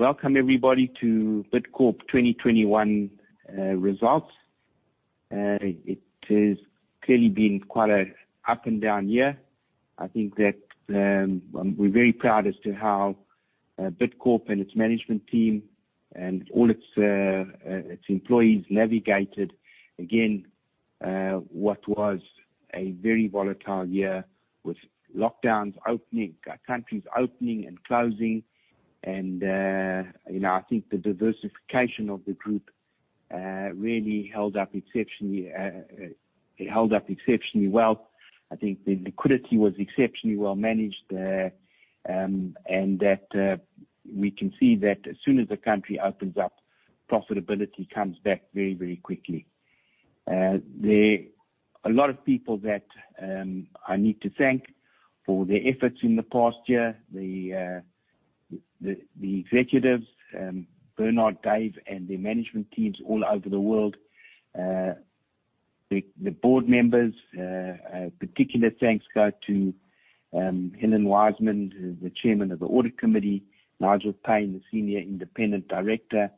Welcome everybody to Bidcorp 2021 results. It has clearly been quite an up and down year. I think that we're very proud as to how Bidcorp and its management team, and all its employees navigated, again, what was a very volatile year with lockdowns, countries opening and closing. I think the diversification of the group really held up exceptionally well. I think the liquidity was exceptionally well managed, and that we can see that as soon as the country opens up, profitability comes back very, very quickly. There are a lot of people that I need to thank for their efforts in the past year. The executives, Bernard, Dave, and their management teams all over the world. The board members. Particular thanks go to Helen Wiseman, who is the chairman of the audit committee, Nigel Payne, the senior independent director,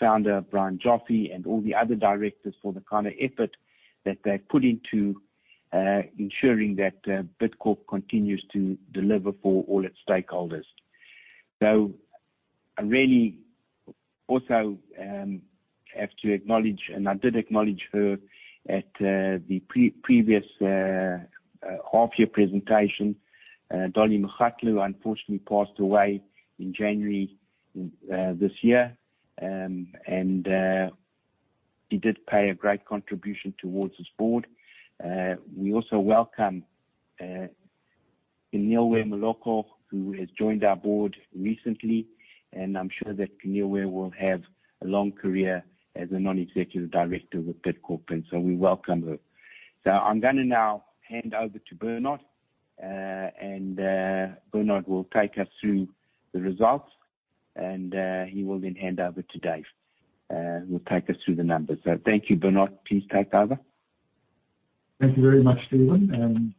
founder Brian Joffe, and all the other directors for the kind of effort that they've put into ensuring that Bidcorp continues to deliver for all its stakeholders. I really also have to acknowledge, and I did acknowledge her at the previous half-year presentation. Dolly Mokgatle unfortunately passed away in January this year, and she did pay a great contribution towards this board. We also welcome Keneilwe Rachel Moloko, who has joined our board recently, and I'm sure that Keneilwe Rachel Moloko will have a long career as a non-executive director with Bidcorp, and so we welcome her. I'm gonna now hand over to Bernard, and Bernard will take us through the results, and he will then hand over to Dave, who'll take us through the numbers. Thank you, Bernard. Please take over. Thank you very much, Stephen.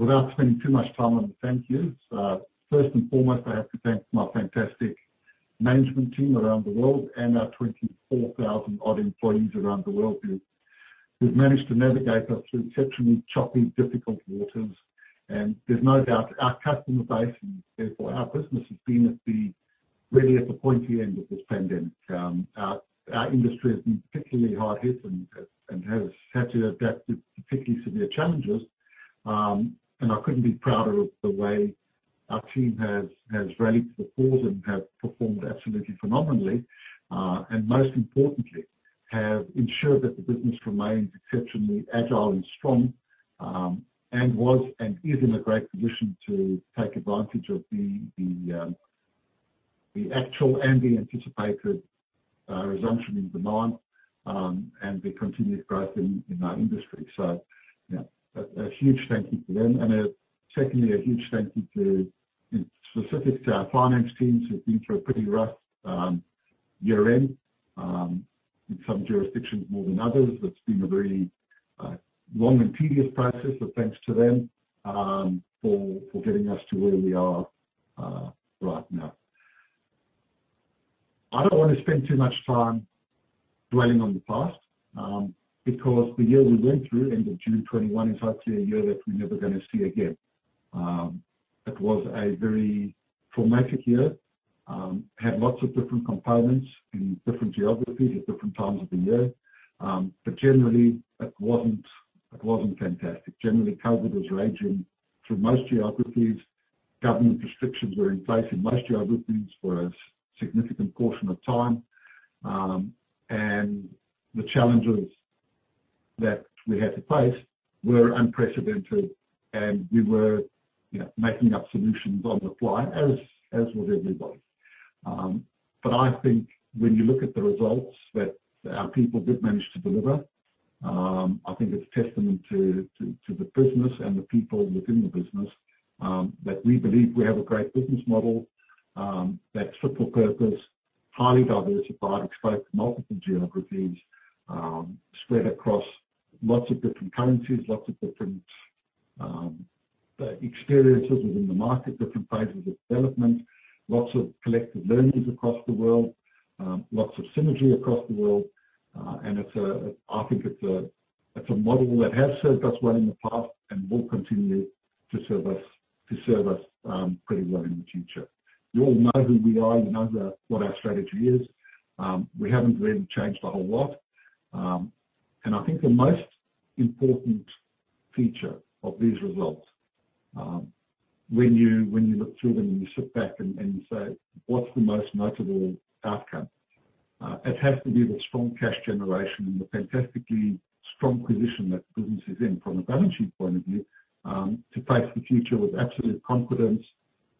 Without spending too much time on the thank you. First and foremost, I have to thank my fantastic management team around the world and our 24,000 odd employees around the world who've managed to navigate us through exceptionally choppy, difficult waters. There's no doubt our customer base and therefore our business has been really at the pointy end of this pandemic. Our industry has been particularly hard hit and has had to adapt to particularly severe challenges. I couldn't be prouder of the way our team has rallied to the cause and have performed absolutely phenomenally. Most importantly, have ensured that the business remains exceptionally agile and strong, and was and is in a great position to take advantage of the actual and the anticipated resumption in demand, and the continued growth in that industry. Yeah, a huge thank you to them. Secondly, a huge thank you to, specific to our finance teams who've been through a pretty rough year-end, in some jurisdictions more than others. It's been a very long and tedious process, but thanks to them for getting us to where we are right now. I don't want to spend too much time dwelling on the past, because the year we went through, end of June 2021, is actually a year that we're never gonna see again. It was a very formative year, had lots of different components in different geographies at different times of the year. Generally, it wasn't fantastic. Generally, COVID was raging through most geographies. Government restrictions were in place in most geographies for a significant portion of time. The challenges that we had to face were unprecedented, and we were making up solutions on the fly, as with everybody. I think when you look at the results that our people did manage to deliver, I think it's a testament to the business and the people within the business, that we believe we have a great business model that's triple purpose, highly diversified, exposed to multiple geographies, spread across lots of different currencies, lots of different experiences within the market, different phases of development, lots of collective learnings across the world, lots of synergy across the world. I think it's a model that has served us well in the past and will continue to serve us pretty well in the future. You all know who we are. You know what our strategy is. We haven't really changed a whole lot. I think the most important feature of these results, when you look through them and you sit back and you say, "What's the most notable outcome?" It has to be the strong cash generation and the fantastically strong position that the business is in from a balance sheet point of view, to face the future with absolute confidence,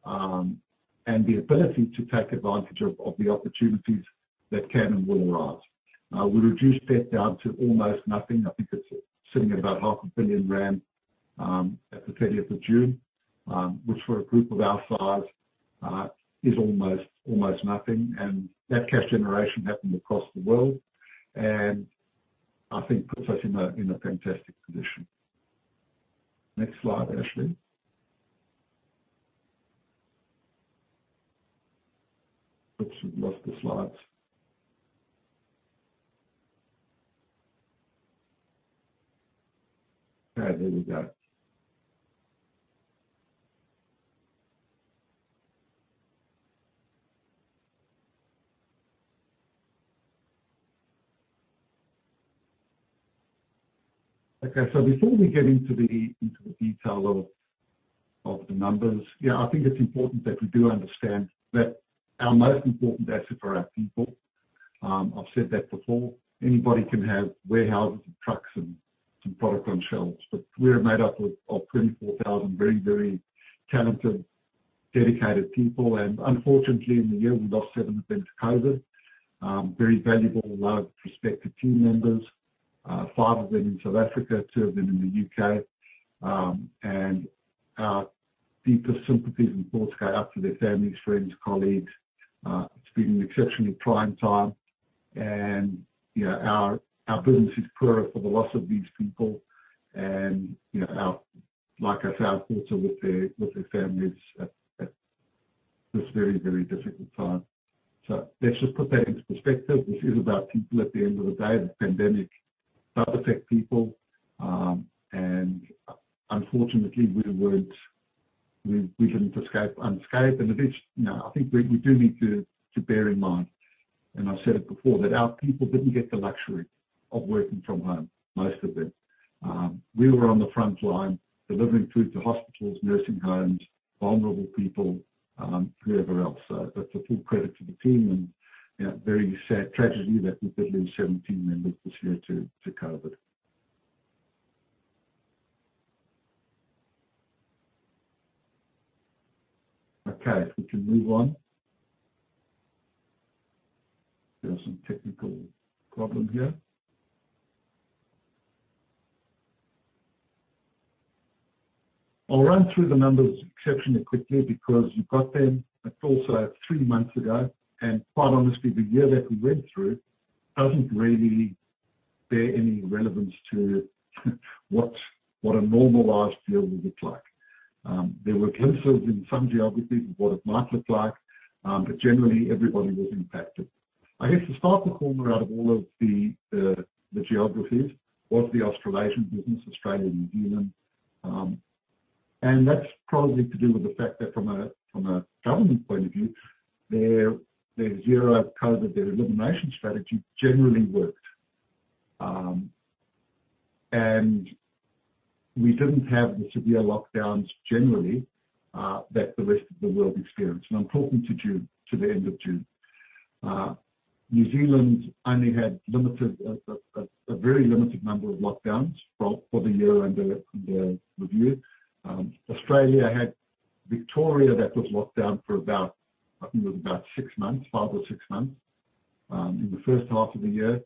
and the ability to take advantage of the opportunities that can and will arise. We reduced debt down to almost nothing. I think it's sitting at about half a billion rand, at the 30th of June. Which for a group of our size, is almost nothing. That cash generation happened across the world, I think puts us in a fantastic position. Next slide, Ashley. Oops, we've lost the slides. There we go. Before we get into the detail of the numbers, I think it's important that we do understand that our most important asset are our people. I've said that before. Anybody can have warehouses and trucks and product on shelves, but we are made up of 24,000 very talented, dedicated people. Unfortunately, in the year, we lost seven of them to COVID, very valuable and well-respected team members, five of them in South Africa, two of them in the U.K. Our deepest sympathies and thoughts go out to their families, friends, colleagues. It's been an exceptionally trying time. Our business is poorer for the loss of these people, and like I said, our thoughts are with their families at this very difficult time. Let's just put that into perspective. This is about people at the end of the day. The pandemic does affect people. Unfortunately, we couldn't escape unscathed. I think we do need to bear in mind, and I've said it before, that our people didn't get the luxury of working from home, most of them. We were on the front line delivering food to hospitals, nursing homes, vulnerable people, whoever else. That's a full credit to the team and a very sad tragedy that we did lose seven team members this year to COVID. Okay. Could we move on? There's some technical problem here. I'll run through the numbers exceptionally quickly because you got them, but also three months ago, and quite honestly, the year that we went through doesn't really bear any relevance to what a normalized year would look like. There were glimpses in some geographies of what it might look like. Generally, everybody was impacted. I guess the star performer out of all of the geographies was the Australasian business, Australia, New Zealand. That's probably to do with the fact that from a government point of view, their zero COVID, their elimination strategy, generally worked. We didn't have the severe lockdowns generally that the rest of the world experienced, and I'm talking to the end of June. New Zealand only had a very limited number of lockdowns for the year under review. Australia had Victoria that was locked down for about, I think it was about six months, five or six months in the first half of the year.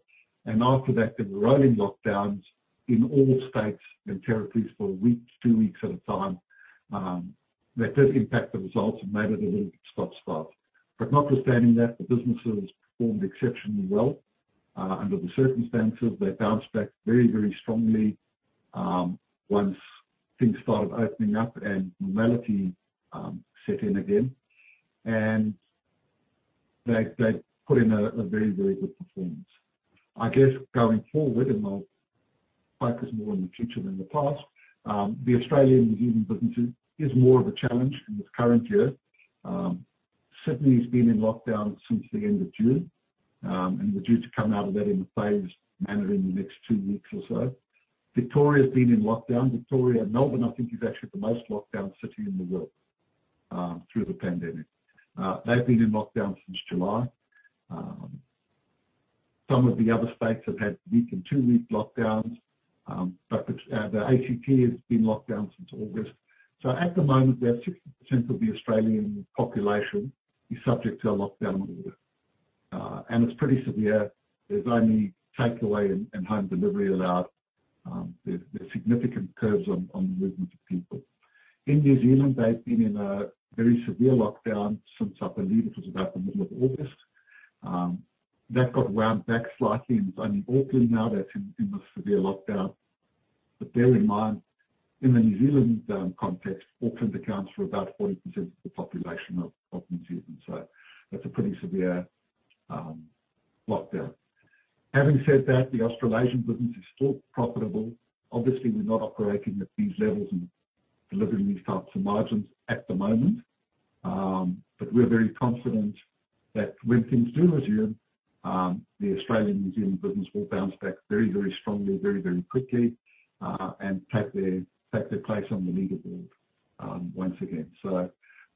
After that, there were rolling lockdowns in all states and territories for weeks, two weeks at a time. That did impact the results and made it a little bit stop-start. Notwithstanding that, the businesses performed exceptionally well under the circumstances. They bounced back very strongly once things started opening up and normality set in again. They put in a very good performance. I guess going forward, and I'll focus more on the future than the past, the Australia and New Zealand businesses is more of a challenge in this current year. Sydney's been in lockdown since the end of June, and we're due to come out of that in a phased manner in the next two weeks or so. Victoria's been in lockdown. Victoria and Melbourne, I think, is actually the most locked down city in the world through the pandemic. They've been in lockdown since July. Some of the other states have had week and two-week lockdowns. The ACT has been locked down since August. At the moment, about 60% of the Australian population is subject to a lockdown order. It's pretty severe. There's only takeaway and home delivery allowed. There's significant curbs on the movement of people. In New Zealand, they've been in a very severe lockdown since, I believe it was about the middle of August. It's only Auckland now that's in the severe lockdown. Bear in mind, in the New Zealand context, Auckland accounts for about 40% of the population of New Zealand. That's a pretty severe lockdown. Having said that, the Australasian business is still profitable. Obviously, we're not operating at these levels and delivering these types of margins at the moment. We're very confident that when things do resume, the Australia and New Zealand business will bounce back very strongly, very quickly, and take their place on the leader board once again.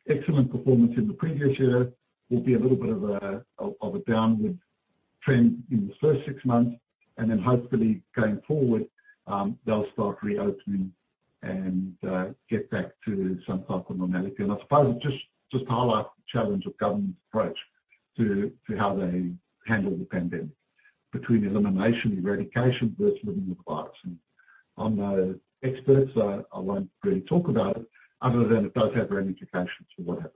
Excellent performance in the previous year. Will be a little bit of a downward trend in this first six months. Hopefully going forward, they'll start reopening and get back to some type of normality. I suppose it just highlights the challenge of government's approach to how they handle the pandemic between elimination, eradication versus living with the virus. I'm no expert, so I won't really talk about it other than it does have ramifications for what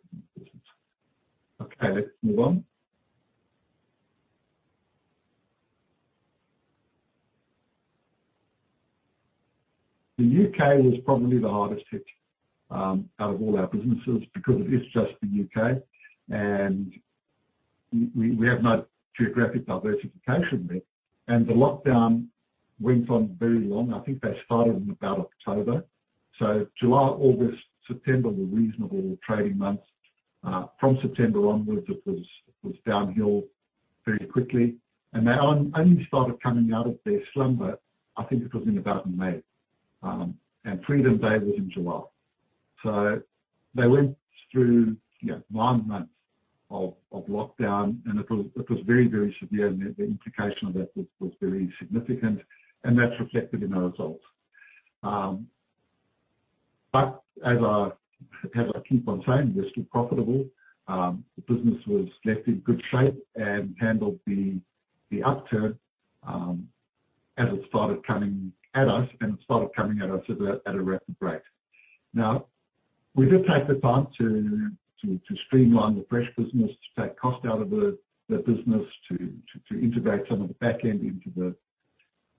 happens in business. Okay, let's move on. The U.K. was probably the hardest hit out of all our businesses because it is just the U.K., and we have no geographic diversification there. The lockdown went on very long. I think they started in about October. July, August, September were reasonable trading months. From September onwards, it was downhill very quickly, they only started coming out of their slumber, I think it was in about May. Freedom Day was in July. They went through nine months of lockdown, and it was very, very severe, and the implication of that was very significant, and that's reflected in our results. As I keep on saying, we're still profitable. The business was left in good shape and handled the upturn as it started coming at us, and it started coming at us at a rapid rate. Now, we did take the time to streamline the fresh business, to take cost out of the business, to integrate some of the back end into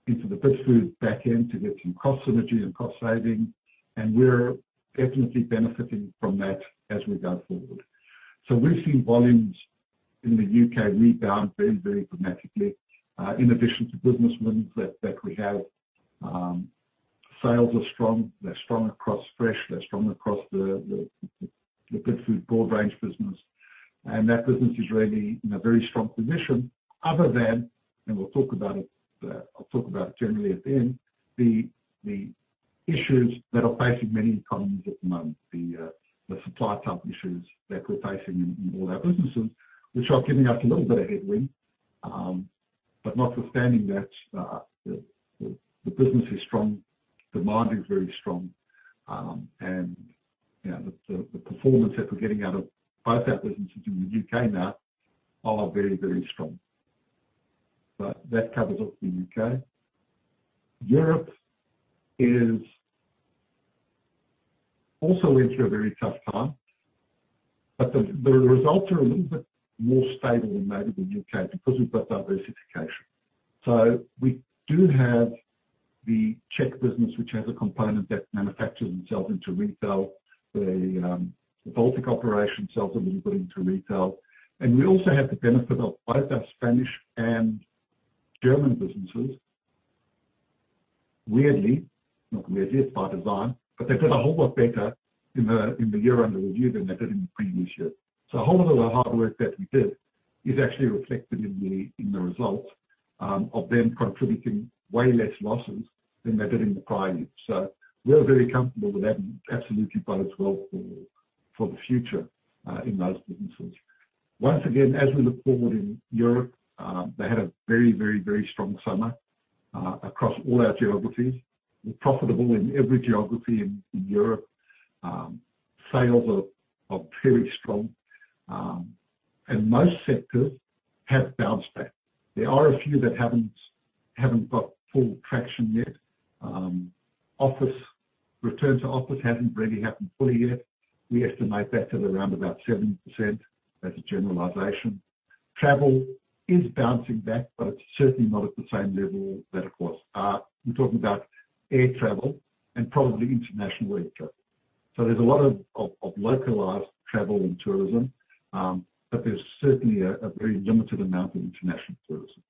the Bidfood back end, to get some cost synergy and cost saving. We're definitely benefiting from that as we go forward. We've seen volumes in the U.K. rebound very, very dramatically. In addition to business wins that we have. Sales are strong. They're strong across fresh, they're strong across the Bidfood broad range business. That business is really in a very strong position other than, and I'll talk about it generally at the end, the issues that are facing many economies at the moment, the supply chain issues that we're facing in all our businesses, which are giving us a little bit of headwind. Notwithstanding that, the business is strong, demand is very strong, and the performance that we're getting out of both our businesses in the U.K. now are very, very strong. That covers off the U.K. Europe also went through a very tough time, the results are a little bit more stable than maybe the U.K. because we've got diversification. We do have the Czech business, which has a component that manufactures and sells into retail. The Baltic operation sells a little bit into retail. We also have the benefit of both our Spanish and German businesses. Weirdly, not weirdly, it's by design, they did a whole lot better in the year under review than they did in the previous year. A whole lot of the hard work that we did is actually reflected in the results of them contributing way less losses than they did in the prior year. We're very comfortable with that and absolutely bodes well for the future in those businesses. Once again, as we look forward in Europe, they had a very strong summer across all our geographies. We're profitable in every geography in Europe. Sales are very strong. Most sectors have bounced back. There are a few that haven't got full traction yet. Return to office hasn't really happened fully yet. We estimate that at around about 70% as a generalization. Travel is bouncing back, but it's certainly not at the same level that it was. We're talking about air travel and probably international air travel. There's a lot of localized travel and tourism. There's certainly a very limited amount of international tourism.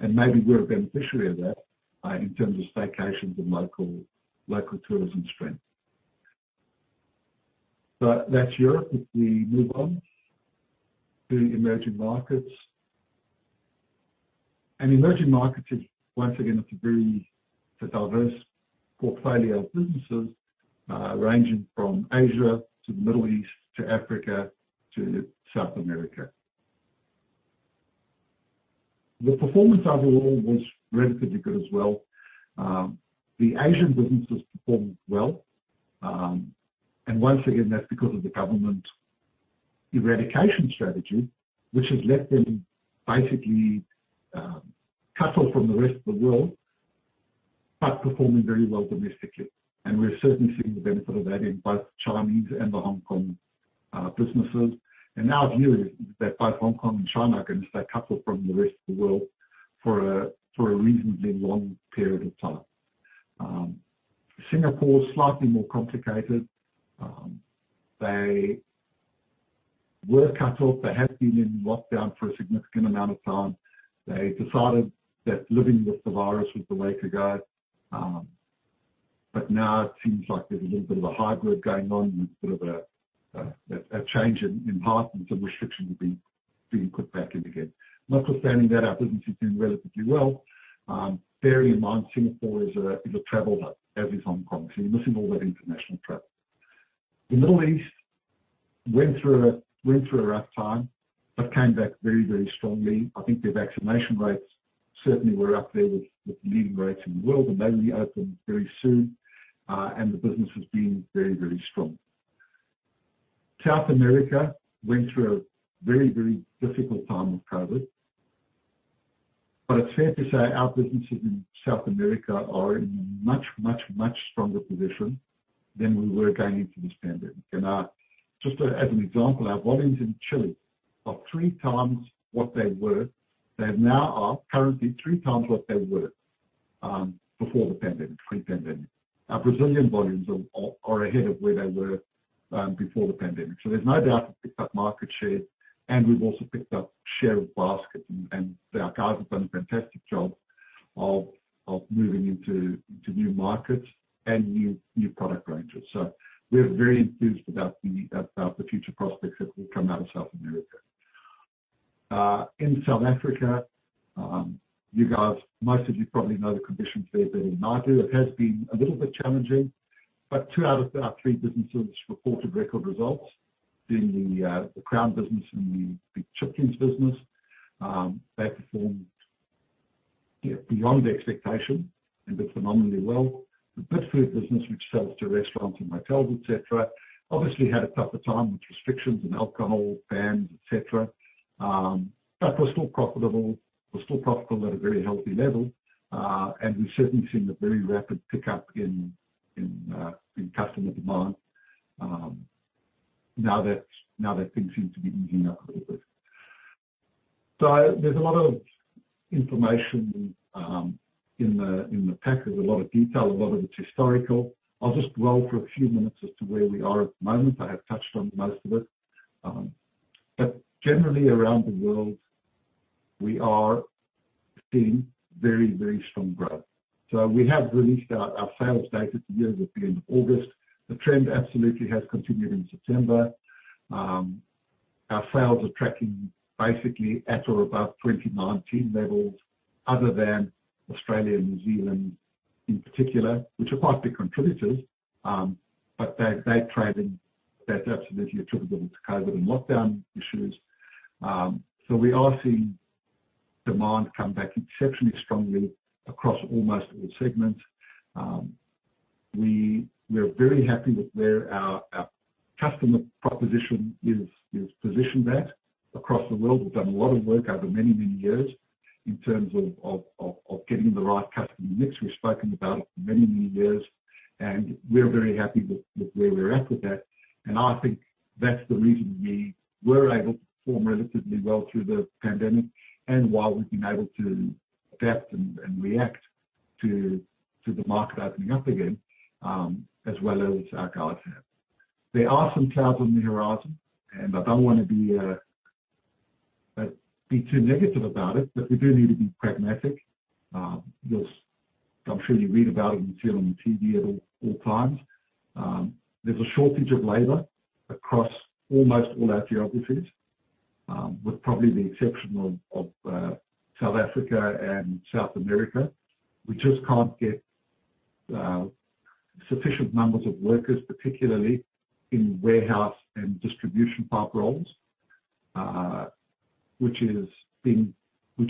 Maybe we're a beneficiary of that in terms of staycations and local tourism strength. That's Europe. If we move on to emerging markets. Emerging markets is once again, it's a very diverse portfolio of businesses, ranging from Asia to Middle East to Africa to South America. The performance overall was relatively good as well. The Asian businesses performed well. Once again, that's because of the government eradication strategy, which has left them basically cut off from the rest of the world, but performing very well domestically. We're certainly seeing the benefit of that in both Chinese and the Hong Kong businesses. Our view is that both Hong Kong and China are going to stay cut off from the rest of the world for a reasonably long period of time. Singapore, slightly more complicated. They were cut off. They have been in lockdown for a significant amount of time. They decided that living with the virus was the way to go. Now it seems like there's a little bit of a hybrid going on with sort of a change in heart, and some restrictions are being put back in again. Notwithstanding that, our business is doing relatively well. Bearing in mind, Singapore is a travel hub, as is Hong Kong, so you're missing all that international travel. The Middle East went through a rough time but came back very, very strongly. I think their vaccination rates certainly were up there with the leading rates in the world, and they reopen very soon, and the business has been very, very strong. South America went through a very, very difficult time with COVID. It's fair to say our businesses in South America are in a much stronger position than we were going into this pandemic. Just as an example, our volumes in Chile are three times what they were. They now are currently three times what they were before the pandemic, pre-pandemic. Our Brazilian volumes are ahead of where they were before the pandemic. There's no doubt we've picked up market share and we've also picked up share of basket and our guys have done a fantastic job of moving into new markets and new product ranges. We're very enthused about the future prospects that will come out of South America. In South Africa, most of you probably know the conditions there better than I do. It has been a little bit challenging, two out of our three businesses reported record results, being the Crown business and the Chipkins business. They performed beyond expectation and did phenomenally well. The Bidfood business, which sells to restaurants and hotels, et cetera, obviously had a tougher time with restrictions and alcohol bans, et cetera. We're still profitable at a very healthy level. We've certainly seen a very rapid pickup in customer demand now that things seem to be easing up a little bit. There's a lot of information in the pack. There's a lot of detail. A lot of it's historical. I'll just roll for a few minutes as to where we are at the moment. I have touched on most of it. Generally, around the world, we are seeing very strong growth. We have released our sales data to year-to-date end of August. The trend absolutely has continued in September. Our sales are tracking basically at or above 2019 levels, other than Australia and New Zealand in particular, which are partly contributors. Their trading, that's absolutely attributable to COVID and lockdown issues. We are seeing demand come back exceptionally strongly across almost all segments. We're very happy with where our customer proposition is positioned at across the world. We've done a lot of work over many years in terms of getting the right customer mix. We've spoken about it for many years, we're very happy with where we're at with that. I think that's the reason we were able to perform relatively well through the pandemic and why we've been able to adapt and react to the market opening up again, as well as our guys have. There are some clouds on the horizon, I don't want to be too negative about it, we do need to be pragmatic. I'm sure you read about it and you see it on your TV at all times. There's a shortage of labor across almost all our geographies, with probably the exception of South Africa and South America. We just can't get sufficient numbers of workers, particularly in warehouse and distribution park roles, which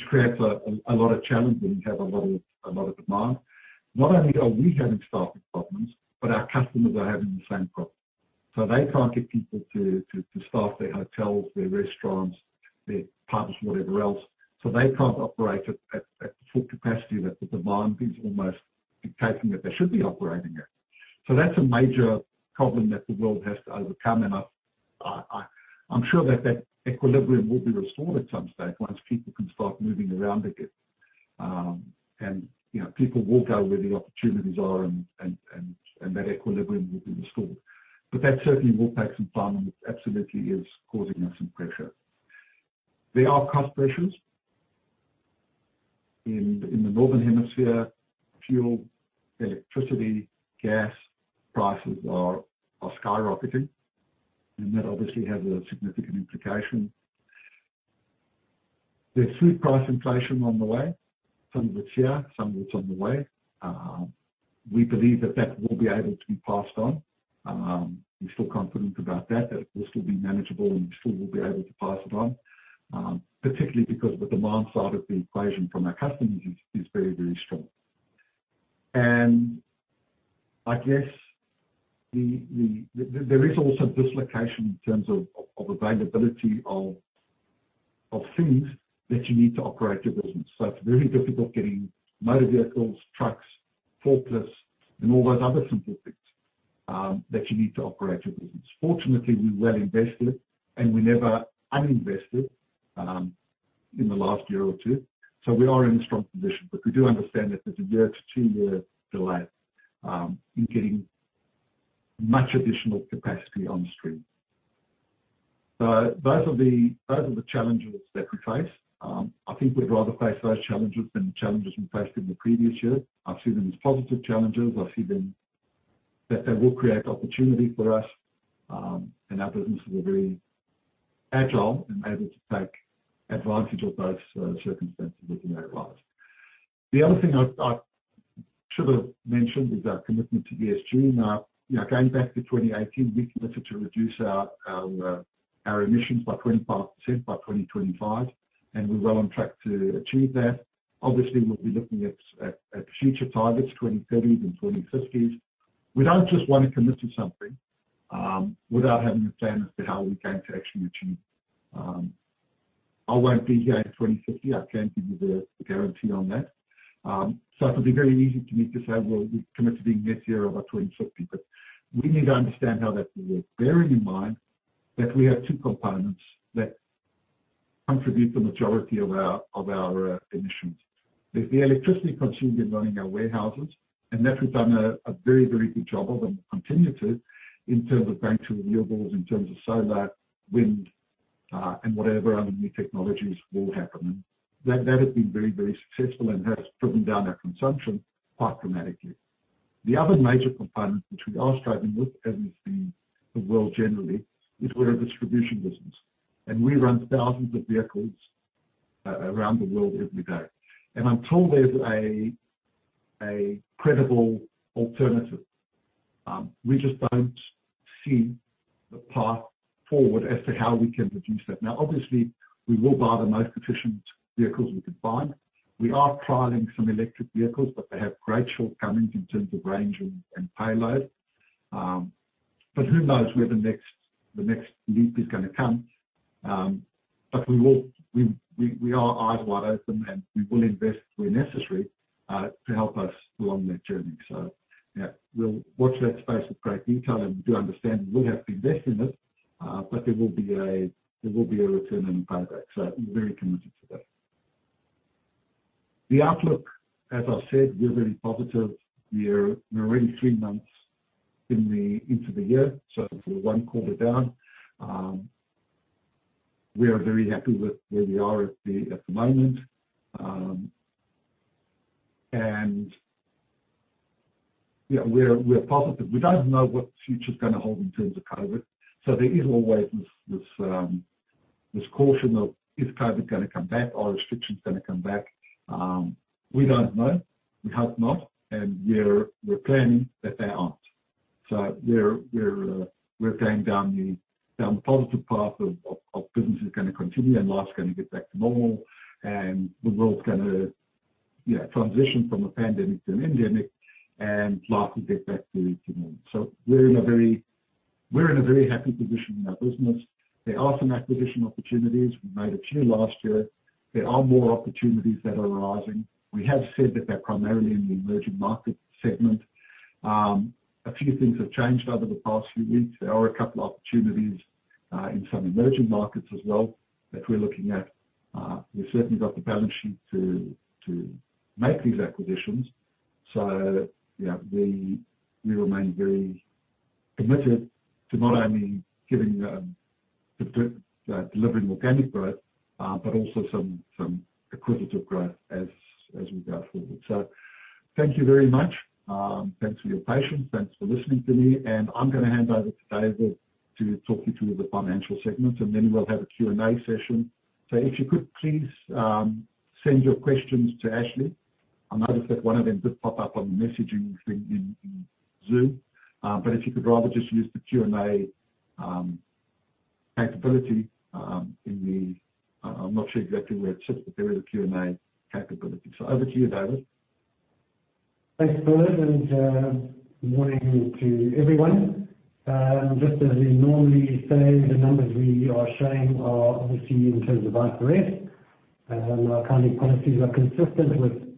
creates a lot of challenge when you have a lot of demand. Not only are we having staffing problems, but our customers are having the same problems. They can't get people to staff their hotels, their restaurants, their pubs, or whatever else. They can't operate at the full capacity that the demand is almost dictating that they should be operating at. That's a major problem that the world has to overcome, and I'm sure that that equilibrium will be restored at some stage once people can start moving around again. People will go where the opportunities are and that equilibrium will be restored. That certainly will take some time and it absolutely is causing us some pressure. There are cost pressures. In the northern hemisphere, fuel, electricity, gas prices are skyrocketing, that obviously has a significant implication. There's food price inflation on the way. Some of it's here, some of it's on the way. We believe that that will be able to be passed on. We're still confident about that it will still be manageable and we still will be able to pass it on, particularly because the demand side of the equation from our customers is very strong. I guess there is also dislocation in terms of availability of things that you need to operate your business. It's very difficult getting motor vehicles, trucks, forklifts, and all those other simple things that you need to operate your business. Fortunately, we well invested, and we never uninvested in the last year or two. We are in a strong position. We do understand that there's a year to two year delay in getting much additional capacity on the stream. Those are the challenges that we face. I think we'd rather face those challenges than the challenges we faced in the previous year. I see them as positive challenges. I see that they will create opportunity for us, and our business is very agile and able to take advantage of those circumstances as they arise. The other thing I should have mentioned is our commitment to ESG. Going back to 2018, we committed to reduce our emissions by 25% by 2025, and we're well on track to achieve that. Obviously, we'll be looking at future targets, 2030s and 2050s. We don't just want to commit to something without having a plan as to how we're going to actually achieve it. I won't be here in 2050. I can give you the guarantee on that. It would be very easy for me to say, "Well, we commit to being net zero by 2050," but we need to understand how that will work, bearing in mind that we have two components that contribute the majority of our emissions. There's the electricity consumed in running our warehouses, and that we've done a very good job of and continue to in terms of going to renewables, in terms of solar, wind, and whatever other new technologies will happen. That has been very successful and has driven down our consumption quite dramatically. The other major component which we are struggling with, as is the world generally, is we're a distribution business, and we run thousands of vehicles around the world every day. Until there's a credible alternative, we just don't see the path forward as to how we can reduce that. Obviously, we will buy the most efficient vehicles we can find. We are trialing some electric vehicles, but they have great shortcomings in terms of range and payload. Who knows where the next leap is going to come. We are eyes wide open, and we will invest where necessary, to help us along that journey. Yeah, we'll watch that space with great detail and do understand we have to invest in it, but there will be a return on investment. We're very committed to that. The outlook, as I said, we are very positive. We're already 3 months into the year, so 1 quarter down. We are very happy with where we are at the moment. Yeah, we're positive. We don't know what the future's going to hold in terms of COVID. Is COVID going to come back? Are restrictions going to come back? We don't know. We hope not. We're planning that they aren't. We're going down the positive path of business is going to continue, and life's going to get back to normal, and the world's going to transition from a pandemic to an endemic, and life will get back to normal. We're in a very happy position in our business. There are some acquisition opportunities. We made a few last year. There are more opportunities that are arising. We have said that they're primarily in the emerging market segment. A few things have changed over the past few weeks. There are a couple opportunities in some emerging markets as well that we're looking at. We've certainly got the balance sheet to make these acquisitions. Yeah, we remain very committed to not only delivering organic growth, but also some accretive growth as we go forward. Thank you very much. Thanks for your patience. Thanks for listening to me. I'm going to hand over to David to talk you through the financial segment, and then we'll have a Q&A session. If you could please send your questions to Ashley. I noticed that one of them did pop up on the messaging thing in Zoom. If you could rather just use the Q&A capability in the I'm not sure exactly where it sits, but there is a Q&A capability. Over to you, David. Thanks, Bernard, and good morning to everyone. Just as we normally say, the numbers we are showing are obviously in terms of IFRS. Our accounting policies are consistent with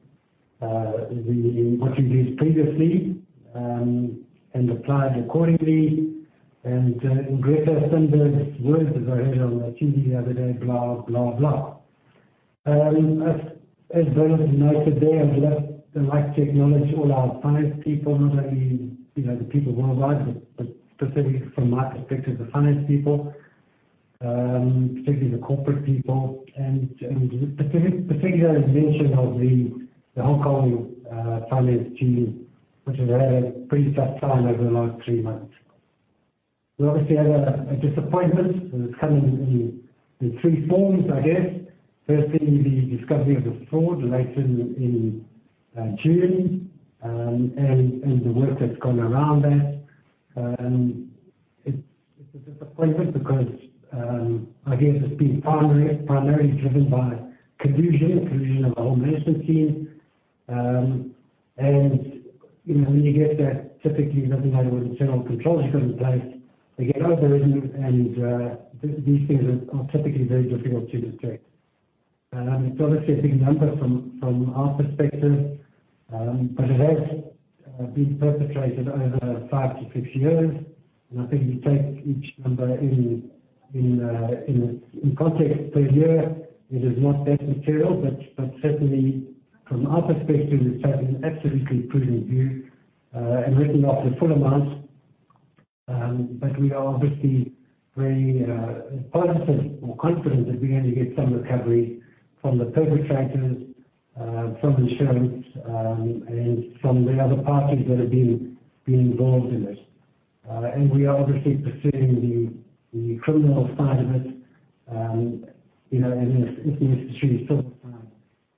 what you did previously, and applied accordingly. In Greta Thunberg's words, as I heard her on the TV the other day, "Blah, blah." As Bernard noted there, I'd like to acknowledge all our finance people, not only the people worldwide, but specifically from my perspective, the finance people, particularly the corporate people, and particular mention of the Hong Kong finance team, which has had a pretty tough time over the last three months. We obviously had a disappointment, and it's come in three forms, I guess. Firstly, the discovery of the fraud late in June, and the work that's gone around that. It's a disappointment because I guess it's been primarily driven by collusion of a whole management team. When you get that, typically you don't know whether the general controls you've got in place, they get overridden, and these things are typically very difficult to detect. It's obviously a big number from our perspective, but it has been perpetrated over five to six years. I think if you take each number in context per year, it is not that material, but certainly from our perspective, it's absolutely prudent view, and written off the full amount. We are obviously very positive or confident that we're going to get some recovery from the perpetrators, from insurance, and from the other parties that have been involved in it. We are obviously pursuing the criminal side of it, and the institute side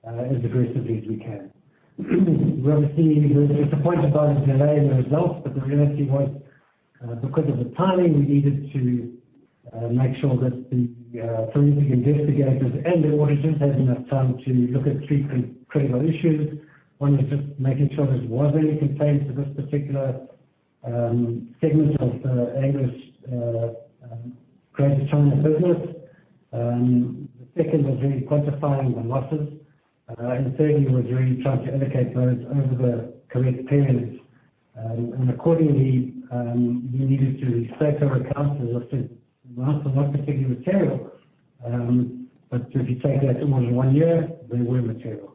as aggressively as we can. We're obviously very disappointed by the delay in the results, but the reality was, because of the timing, we needed to make sure that the forensic investigators and the auditors had enough time to look at three critical issues. One is just making sure there was any complaint to this particular segments of the Angliss, Greater China business. The second was really quantifying the losses, the third was really trying to allocate those over the correct periods. Accordingly, we needed to restate our accounts, as I said. Losses not particularly material. If you take it out over one year, they were material.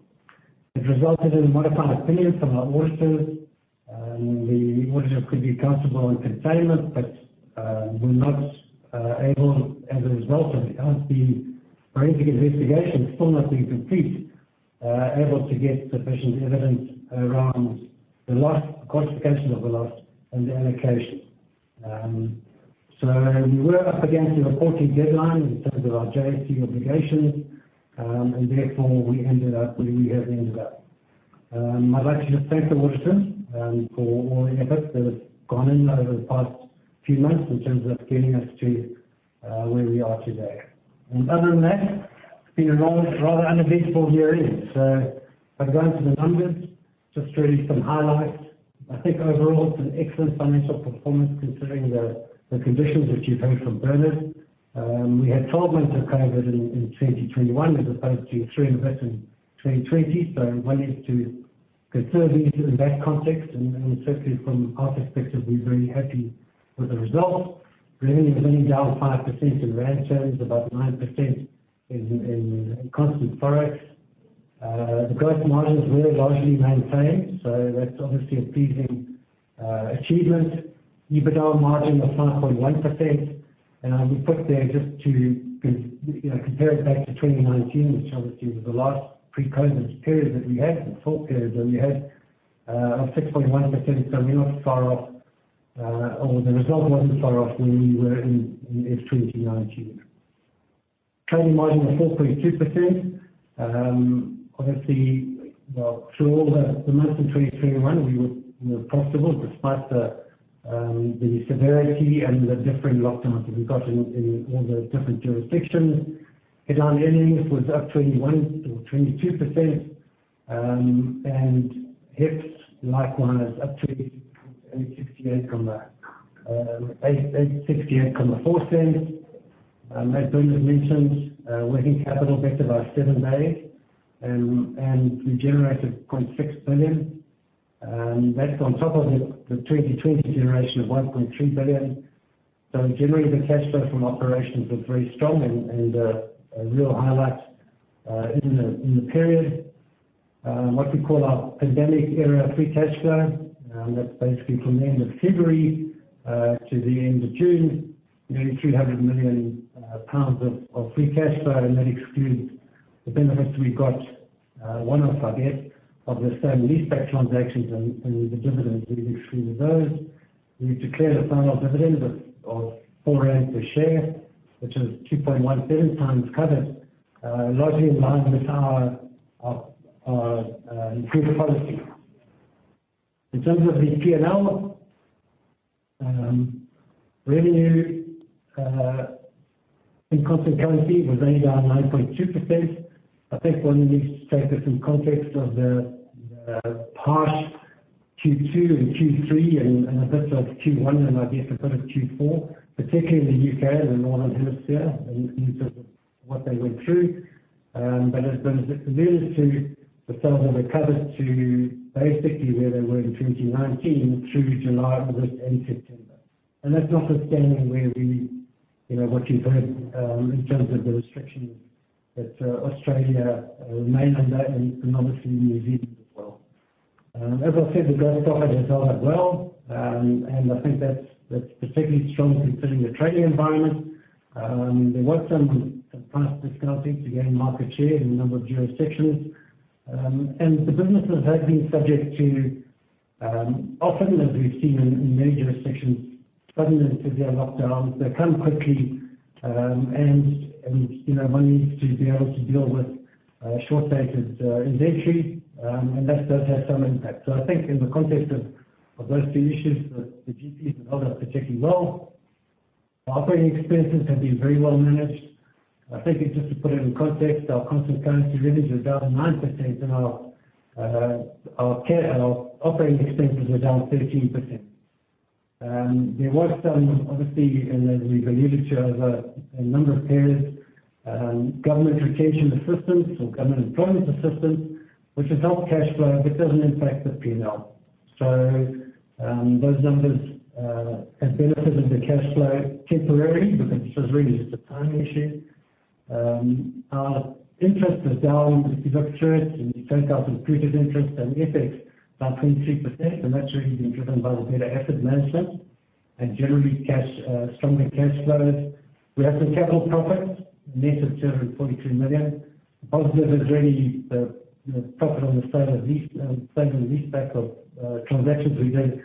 It resulted in a modified opinion from our auditors. The auditor could be comfortable and contain it, but were not able as a result of the forensic investigation still not being complete, able to get sufficient evidence around the loss, quantification of the loss, and the allocation. We were up against the reporting deadline in terms of our JSE obligations, and therefore we ended up where we have ended up. I'd like to just thank the auditors, for all the effort that has gone in over the past few months in terms of getting us to where we are today. Other than that, it's been a rather uneventful year end. If I go into the numbers, just really some highlights. I think overall, it's an excellent financial performance considering the conditions which you've heard from Bernard. We had 12 months of COVID in 2021 as opposed to three months in 2020. One needs to consider these in that context, and certainly from our perspective, we're very happy with the result. Revenue is only down 5% in rand terms, about 9% in constant ForEx. The gross margin is very largely maintained, that's obviously a pleasing achievement. EBITDA margin of 5.1%, and I would put there just to compare it back to 2019, which obviously was the last pre-COVID period that we had, full period that we had, of 6.1%, we're not far off, or the result wasn't far off where we were in FY 2019. Trading margin of 4.2%. Obviously, well, through all the months of 2021, we were profitable despite the severity and the differing lockdowns that we got in all the different jurisdictions. Headline earnings was up 21% or 22%, and EPS likewise up to ZAR 8.684. As Bernard mentioned, working capital back to about seven days, and we generated 0.6 billion. That's on top of the 2020 generation of 1.3 billion. Generally, the cash flow from operations was very strong and a real highlight in the period. What we call our pandemic-era free cash flow, and that's basically from the end of February, to the end of June, nearly 300 million pounds of free cash flow, and that excludes the benefits we got, one-offs I guess, of the sale and leaseback transactions and the dividends, we've excluded those. We declared a final dividend of 4 rand per share, which is 2.1x covered, largely in line with our improved policy. In terms of the P&L, revenue, in constant currency, was only down 9.2%. I think one needs to take this in context of the past Q2 and Q3 and a bit of Q1 and I guess a bit of Q4, particularly in the U.K. and the Northern Hemisphere, in terms of what they went through. The business too, the sales have recovered to basically where they were in 2019 through July of this and September. That's notwithstanding what you've heard in terms of the restrictions that Australia remain under and obviously New Zealand as well. As I said, the gross profit has held up well, and I think that's particularly strong considering the trading environment. There was some price discounting to gain market share in a number of jurisdictions. The businesses have been subject to, often as we've seen in many jurisdictions, sudden and severe lockdowns that come quickly, and one needs to be able to deal with short-dated inventory, and that does have some impact. I think in the context of those two issues, the GPs held up particularly well. Our operating expenses have been very well managed. I think just to put it in context, our constant currency revenue is down 9% and our operating expenses were down 13%. There was some, obviously, in the literature of a number of periods, government retention assistance or government employment assistance, which has helped cash flow, but doesn't impact the P&L. Those numbers have benefited the cash flow temporarily, but this is really just a timing issue. Our interest is down because of interest. We count out increased interest and FX down 23%. That's really been driven by the better asset management and generally stronger cash flows. We have some capital profits, net of 243 million. Positive is really the profit on the sale and leaseback of transactions we did.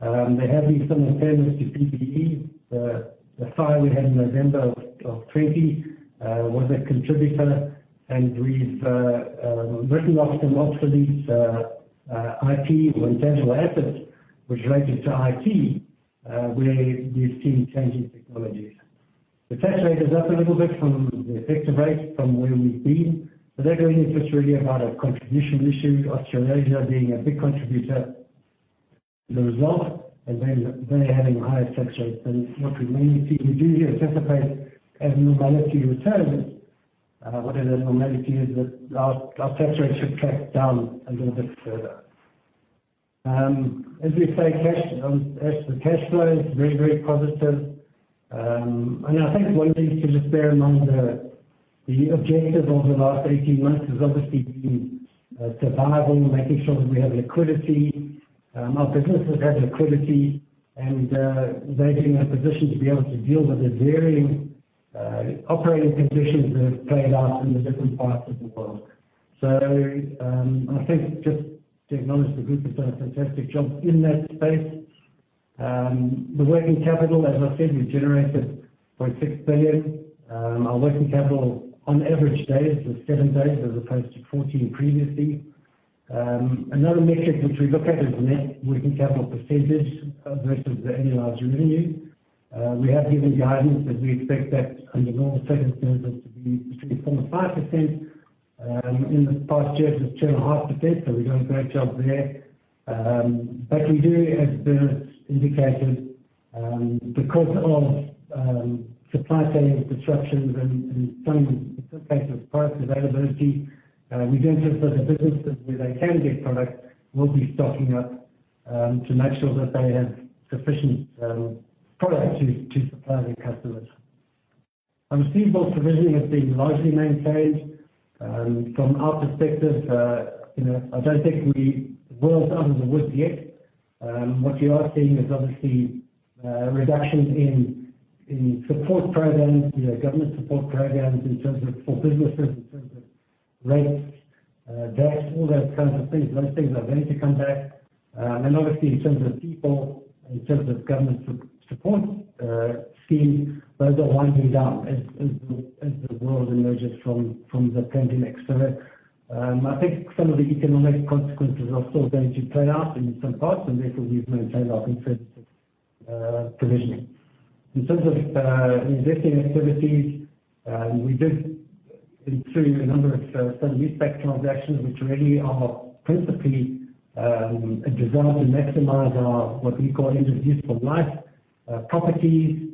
There have been some impairments to PPE. The fire we had in November of 2020 was a contributor. We've written off some of these IP or intangible assets which related to IT, where we've seen changing technologies. The tax rate is up a little bit from the effective rate from where we've been. They're going into really about a contribution issue, Australasia being a big contributor, the result. They're having higher tax rates than what we normally see. We do anticipate as normality returns, whatever the normality is, that our tax rate should track down a little bit further. As we say, the cash flow is very, very positive. I think one thing to just bear in mind, the objective over the last 18 months has obviously been survival, making sure that we have liquidity, our businesses have liquidity, and they're in a position to be able to deal with the varying operating conditions that have played out in the different parts of the world. I think just to acknowledge the group has done a fantastic job in that space. The working capital, as I said, we generated 4.6 billion. Our working capital on average days was 7 days as opposed to 14 previously. Another metric which we look at is net working capital % versus the annualized revenue. We have given guidance that we expect that under normal circumstances to be between 4% and 5%. In the past year, it was 2.5%, so we've done a great job there. We do, as Bernard indicated, because of supply chain disruptions and in some cases product availability, we do anticipate the businesses where they can get product will be stocking up to make sure that they have sufficient product to supply their customers. Receivables provisioning has been largely maintained. From our perspective, I don't think we are out of the woods yet. What you are seeing is obviously reductions in support programs, government support programs in terms of support for businesses, in terms of rates, that, all those kinds of things. Those things are going to come back. Obviously in terms of people, in terms of government support schemes, those are winding up as the world emerges from the pandemic. I think some of the economic consequences are still going to play out in some parts, and therefore we've maintained our conservative provisioning. In terms of investing activities, we did allude to a number of sale and leaseback transactions, which really are principally designed to maximize our, what we call introduce for life, properties.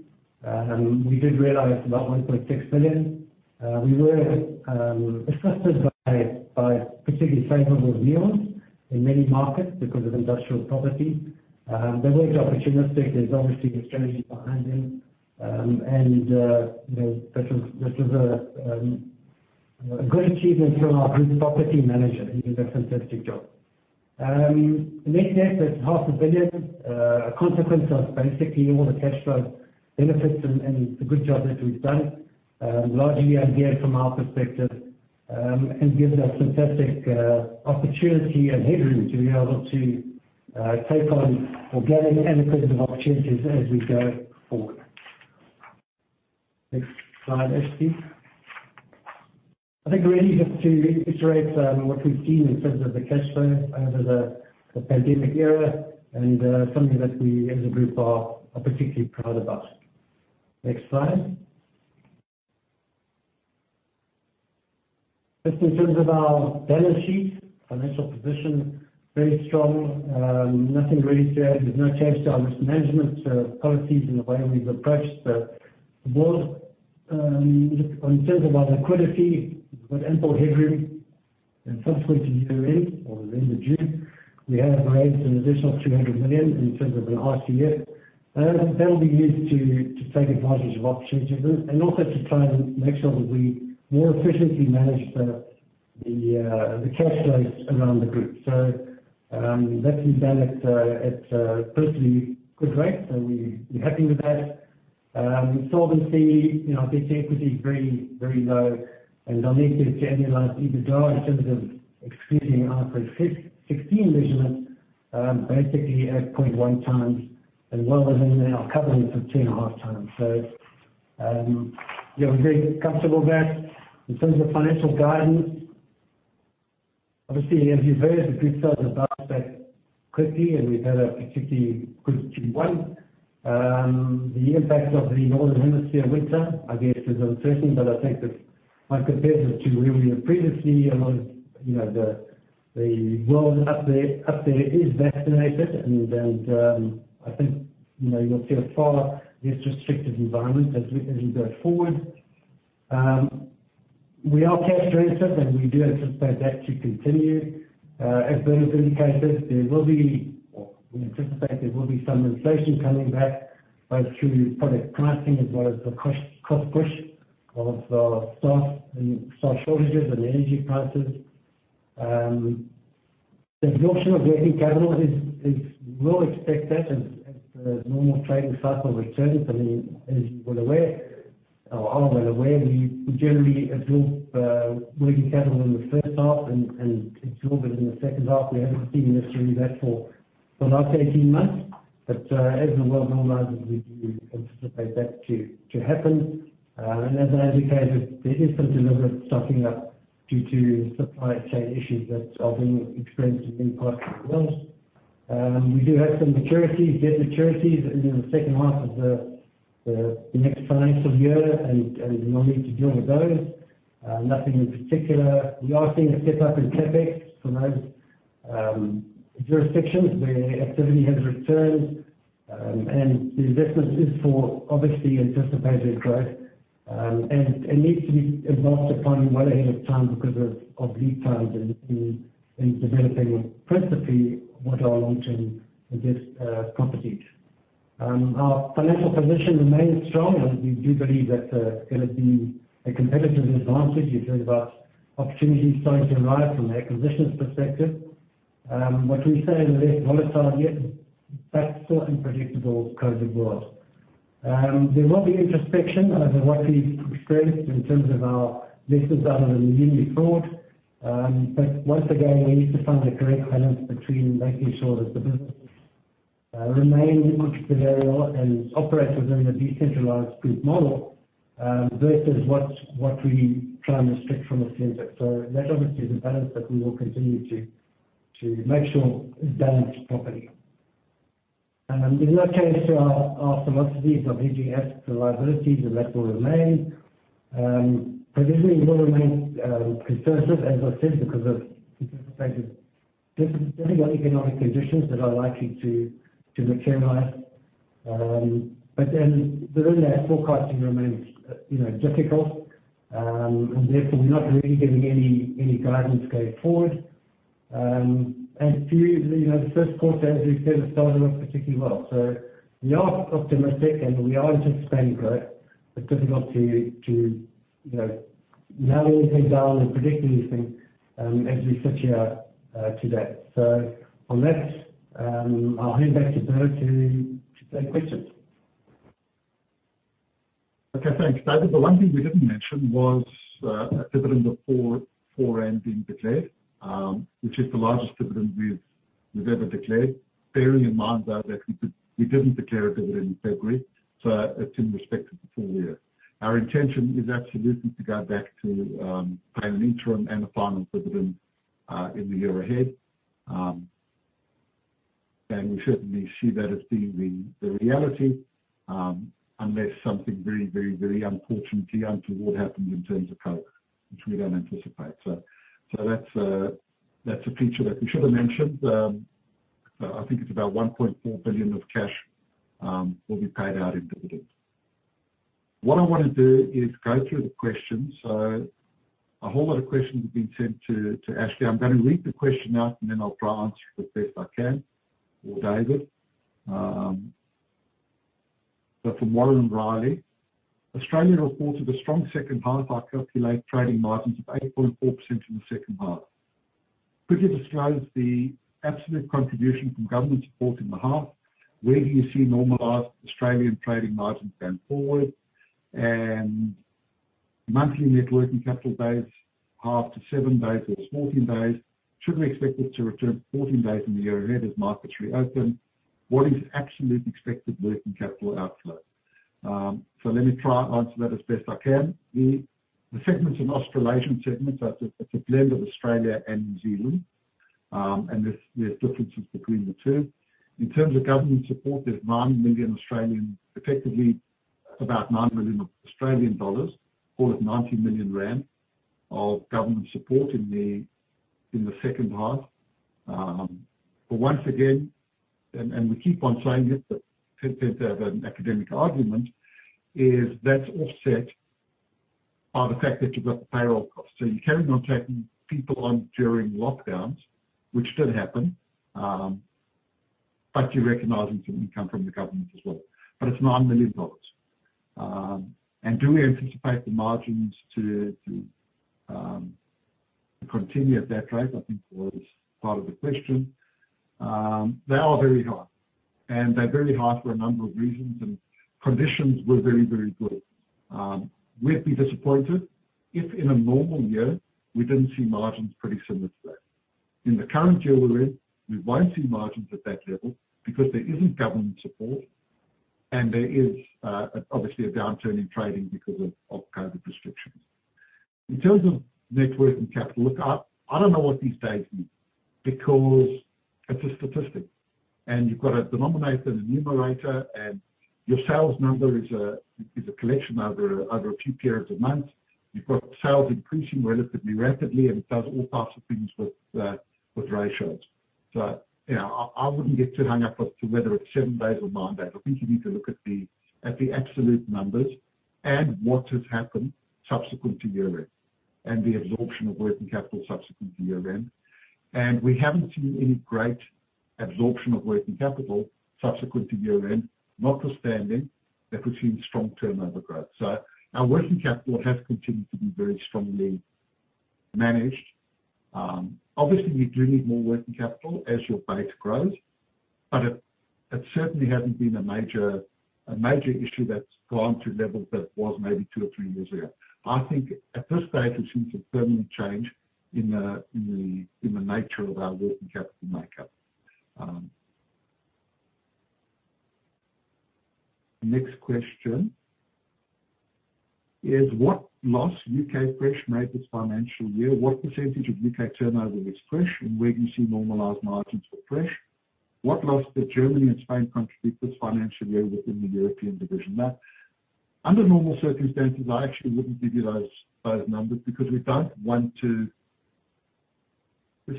We did realize about 1.6 billion. We were assisted by particularly favorable yields in many markets because of industrial property. They weren't opportunistic. There's obviously a strategy behind them. This was a good achievement from our group property manager. He did a fantastic job. Net debt is half a billion, a consequence of basically all the cash flow benefits and the good job that we've done, largely again, from our perspective, gives us a fantastic opportunity and headroom to be able to take on organic and accretive opportunities as we go forward. Next slide, SP. I think really just to reiterate what we've seen in terms of the cash flow over the pandemic era and something that we as a group are particularly proud about. Next slide. Just in terms of our balance sheet, financial position, very strong. Nothing really to add. There's no change to our risk management policies and the way we've approached the world. In terms of our liquidity, we've got ample headroom. Subsequent to year end, or end of June, we have raised an additional $200 million in terms of the ICU. That will be used to take advantage of opportunities and also to try and make sure that we more efficiently manage the cash flows around the group. That's been done at a personally good rate. We're happy with that. Solvency, debt to equity is very, very low, and on a continuing annualized EBITDA, in terms of excluding our pre-IFRS 16 measurements, basically at 0.1x as well within our coverage of 2.5x. We're very comfortable with that. In terms of financial guidance, obviously, as you've heard, the group sales have bounced back quickly, and we've had a particularly good Q1. The impact of the Northern Hemisphere winter, I guess, is uncertain, but I think that when compared to where we were previously, a lot of the world up there is vaccinated, and I think you'll see a far less restrictive environment as we go forward. We are cash generative, and we do anticipate that to continue. As Bernard indicated, there will be, or we anticipate there will be some inflation coming back, both through product pricing as well as the cost push of staff shortages and energy prices. The absorption of working capital, we'll expect that as the normal trading cycle returns. I mean, as you were aware, or are well aware, we generally absorb working capital in the first half and absorb it in the second half. We haven't seen necessarily that for the last 18 months. As the world normalizes, we do anticipate that to happen. As I indicated, there is some deliberate stocking up due to supply chain issues that are being experienced in parts of the world. We do have some debt maturities in the second half of the next financial year, and we will need to deal with those. Nothing in particular. We are seeing a step up in CapEx for those jurisdictions where activity has returned, and the investments is for, obviously, anticipated growth. It needs to be advanced upon well ahead of time because of lead times in developing what are long-term assets. Our financial position remains strong, and we do believe that it's going to be a competitive advantage in terms of opportunities starting to arise from an acquisitions perspective. What we say is a less volatile, yet faster and predictable COVID world. There will be introspection, as I rightly stressed, in terms of our business out of the Miumi fraud. Once again, we need to find the correct balance between making sure that the business remains entrepreneurial and operates within a decentralized group model, versus what we try and restrict from a center. That, obviously, is a balance that we will continue to make sure is balanced properly. In that case, our philosophy is of hedging assets to liabilities, and that will remain. Provisionally, we will remain conservative, as I said, because of anticipated economic conditions that are likely to materialize. Therein lay our forecasting remains difficult. Therefore, we're not really giving any guidance going forward. The first quarter, as we said, has started off particularly well. We are optimistic and we are anticipating growth. It's difficult to nail anything down and predict anything as we sit here today. On that, I'll hand back to Bernard to take questions. Okay, thanks, David. The one thing we didn't mention was a dividend of 4 being declared, which is the largest dividend we've ever declared. Bearing in mind, though, that we didn't declare a dividend in February, so it's in respect of the full year. Our intention is absolutely to go back to paying an interim and a final dividend in the year ahead. We certainly see that as being the reality, unless something very, very, very unfortunately untoward happens in terms of COVID, which we don't anticipate. That's a feature that we should have mentioned. I think it's about 1.4 billion of cash will be paid out in dividends. What I want to do is go through the questions. A whole lot of questions have been sent to Ashley. I'm going to read the question out, and then I'll try and answer it the best I can, or David. From Warren Riley. "Australia reported a strong second half. I calculate trading margins of 8.4% in the second half. Could you disclose the absolute contribution from government support in the half? Where do you see normalized Australian trading margins going forward? Monthly net working capital days half to seven days or 14 days. Should we expect this to return to 14 days in the year ahead as markets reopen? What is absolute expected working capital outflow?" Let me try answer that as best I can. The Australasian segments, that's a blend of Australia and New Zealand, there's differences between the two. In terms of government support, there is effectively about 9 million Australian dollars, call it 90 million rand, of government support in the second half. Once again, and we keep on saying it, but since they have an academic argument, is that is offset by the fact that you have got the payroll cost. You carried on taking people on during lockdowns, which did happen, but you are recognizing some income from the government as well. It is 9 million dollars. Do we anticipate the margins to continue at that rate? I think was part of the question. They are very high, and they are very high for a number of reasons, and conditions were very, very good. We would be disappointed if, in a normal year, we did not see margins pretty similar to that. In the current year we're in, we won't see margins at that level because there isn't government support and there is obviously a downturn in trading because of COVID restrictions. In terms of net working capital, look, I don't know what these days mean because it's a statistic. You've got a denominator and a numerator, and your sales number is a collection over a few periods of months. You've got sales increasing relatively rapidly, and it does all parts of things with ratios. I wouldn't get too hung up as to whether it's seven days or nine days. I think you need to look at the absolute numbers and what has happened subsequent to year-end, and the absorption of working capital subsequent to year-end. We haven't seen any great absorption of working capital subsequent to year-end, notwithstanding that we've seen strong turnover growth. Our working capital has continued to be very strongly managed. Obviously, you do need more working capital as your base grows. It certainly hasn't been a major issue that's gone to levels that it was maybe two or three years ago. I think at this stage, it seems a permanent change in the nature of our working capital makeup. Next question is, what loss U.K. Fresh made this financial year? What percentage of U.K. turnover is Fresh, and where do you see normalized margins for Fresh? What loss did Germany and Spain contribute this financial year within the European division? Under normal circumstances, I actually wouldn't give you those numbers because we don't want to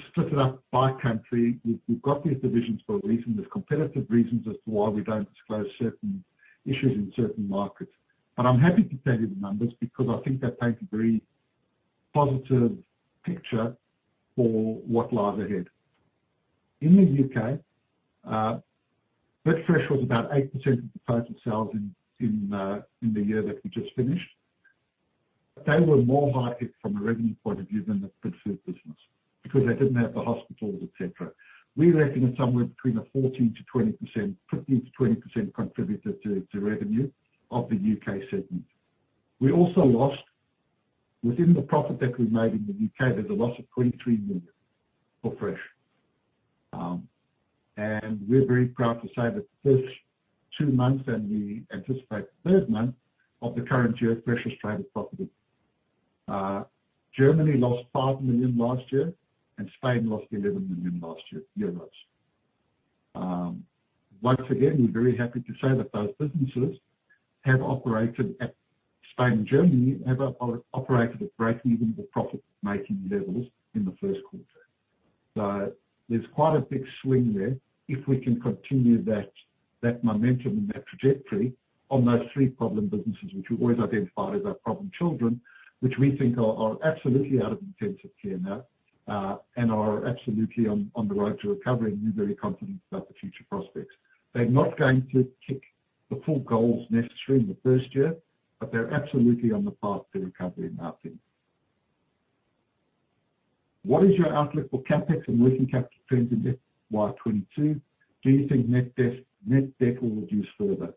split it up by country. We've got these divisions for one reason. There's competitive reasons as to why we don't disclose certain issues in certain markets. I'm happy to tell you the numbers because I think they paint a very positive picture for what lies ahead. In the U.K., Bidfresh was about 8% of the total sales in the year that we just finished. They were more hard hit from a revenue point of view than the Bidfood business because they didn't have the hospitals, et cetera. We reckon it's somewhere between a 14%-20% contributor to revenue of the U.K. segment. We also lost, within the profit that we made in the U.K., there's a loss of 23 million for Fresh. We're very proud to say that the first two months, and we anticipate the third month, of the current year, Fresh has traded profitably. Germany lost 5 million last year, and Spain lost 11 million last year. We're very happy to say that those businesses have operated at, Spain and Germany, have operated at break-even to profit-making levels in the first quarter. There's quite a big swing there. If we can continue that momentum and that trajectory on those three problem businesses, which we've always identified as our problem children, which we think are absolutely out of intensive care now and are absolutely on the road to recovery, and we're very confident about the future prospects. They're not going to tick the four goals necessary in the first year, but they're absolutely on the path to recovery, and that's it. What is your outlook for CapEx and working capital trends in FY 2022? Do you think net debt will reduce further?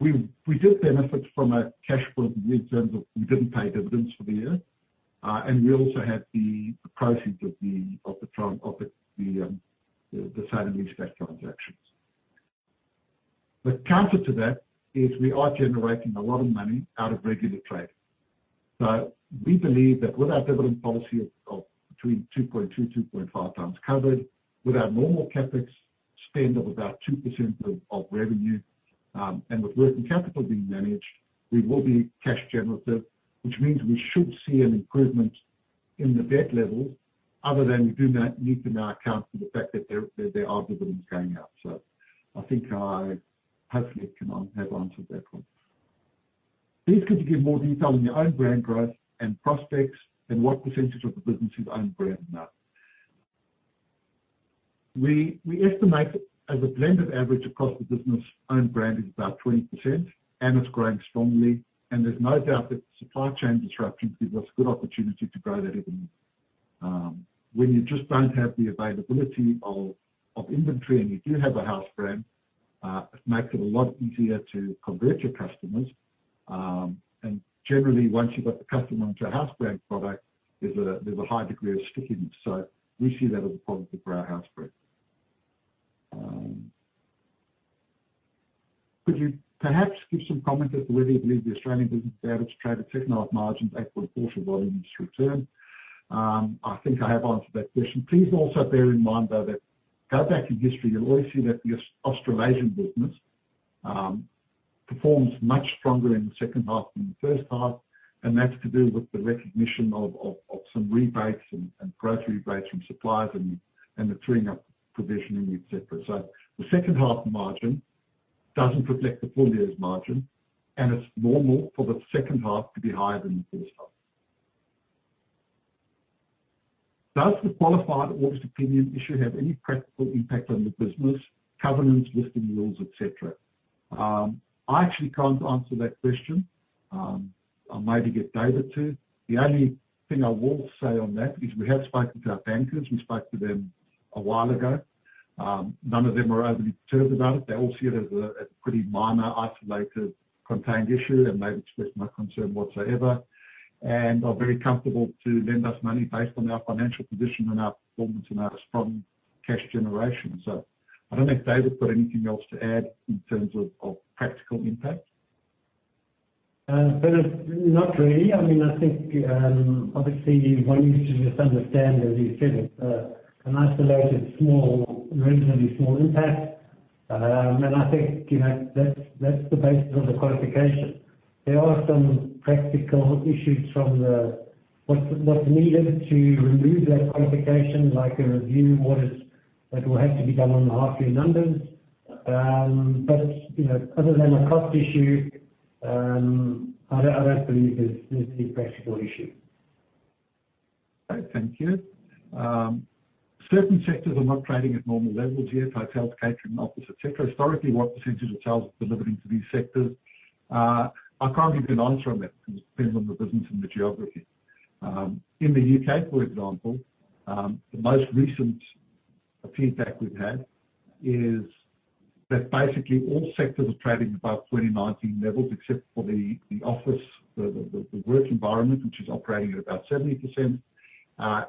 We did benefit from a cash boost in terms of we didn't pay dividends for the year. We also have the proceeds of the sale of these cash transactions. The counter to that is we are generating a lot of money out of regular trade. We believe that with our dividend policy of between 2.2x-2.5x covered, with our normal CapEx spend of about 2% of revenue, and with working capital being managed, we will be cash generative, which means we should see an improvement in the debt levels other than we do need to now account for the fact that there are dividends going out. I think I hopefully have answered that one. Please could you give more detail on your own brand growth and prospects and what percentage of the business is own brand now. We estimate as a blended average across the business, own brand is about 20%, and it's growing strongly, and there's no doubt that supply chain disruptions give us good opportunity to grow that even more. When you just don't have the availability of inventory, and you do have a house brand, it makes it a lot easier to convert your customers. Generally, once you've got the customer onto a house brand product, there's a high degree of stickiness. We see that as a positive for our house brand. Could you perhaps give some comment as to whether you believe the Australian business will be able to trade at technological margins equal to or above industry return? I think I have answered that question. Please also bear in mind, though, that go back in history, you'll always see that the Australasian business performs much stronger in the second half than the first half, and that's to do with the recognition of some rebates and price rebates from suppliers and the freeing up of provisioning, et cetera. The second half margin doesn't reflect the full year's margin, and it's normal for the second half to be higher than the first half. Does the qualified audit opinion issue have any practical impact on the business, governance, listing rules, et cetera? I actually can't answer that question. I'll maybe get David to. The only thing I will say on that is we have spoken to our bankers. We spoke to them a while ago. None of them are overly disturbed about it. They all see it as a pretty minor, isolated, contained issue and they've expressed no concern whatsoever, and are very comfortable to lend us money based on our financial condition and our performance and our strong cash generation. I don't know if David's got anything else to add in terms of practical impact. Not really. I think, obviously, what you should just understand, as you said, it's an isolated, reasonably small impact. I think that's the basis of the qualification. There are some practical issues from what's needed to remove that qualification, like a review audit that will have to be done on the half year numbers. Other than a cost issue, I don't believe there's a practical issue. Okay, thank you. Certain sectors are not trading at normal levels yet, like health, catering, office, et cetera. Historically, what percentage of sales is delivered into these sectors? I can't give you an answer on that because it depends on the business and the geography. In the U.K., for example, the most recent feedback we've had is that basically all sectors are trading above 2019 levels except for the office, the work environment, which is operating at about 70%,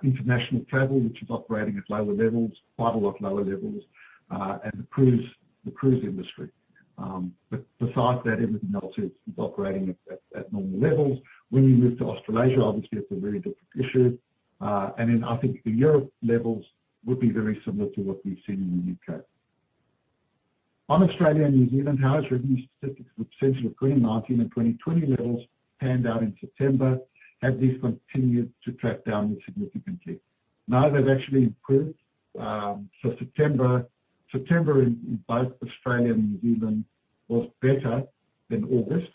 international travel, which is operating at lower levels, quite a lot lower levels, and the cruise industry. Besides that, everything else is operating at normal levels. When you move to Australasia, obviously it's a very different issue. I think the Europe levels would be very similar to what we've seen in the U.K. On Australia and New Zealand, how has revenue statistics as a % of 2019 and 2020 levels panned out in September as these continued to track down significantly? They've actually improved. September in both Australia and New Zealand was better than August.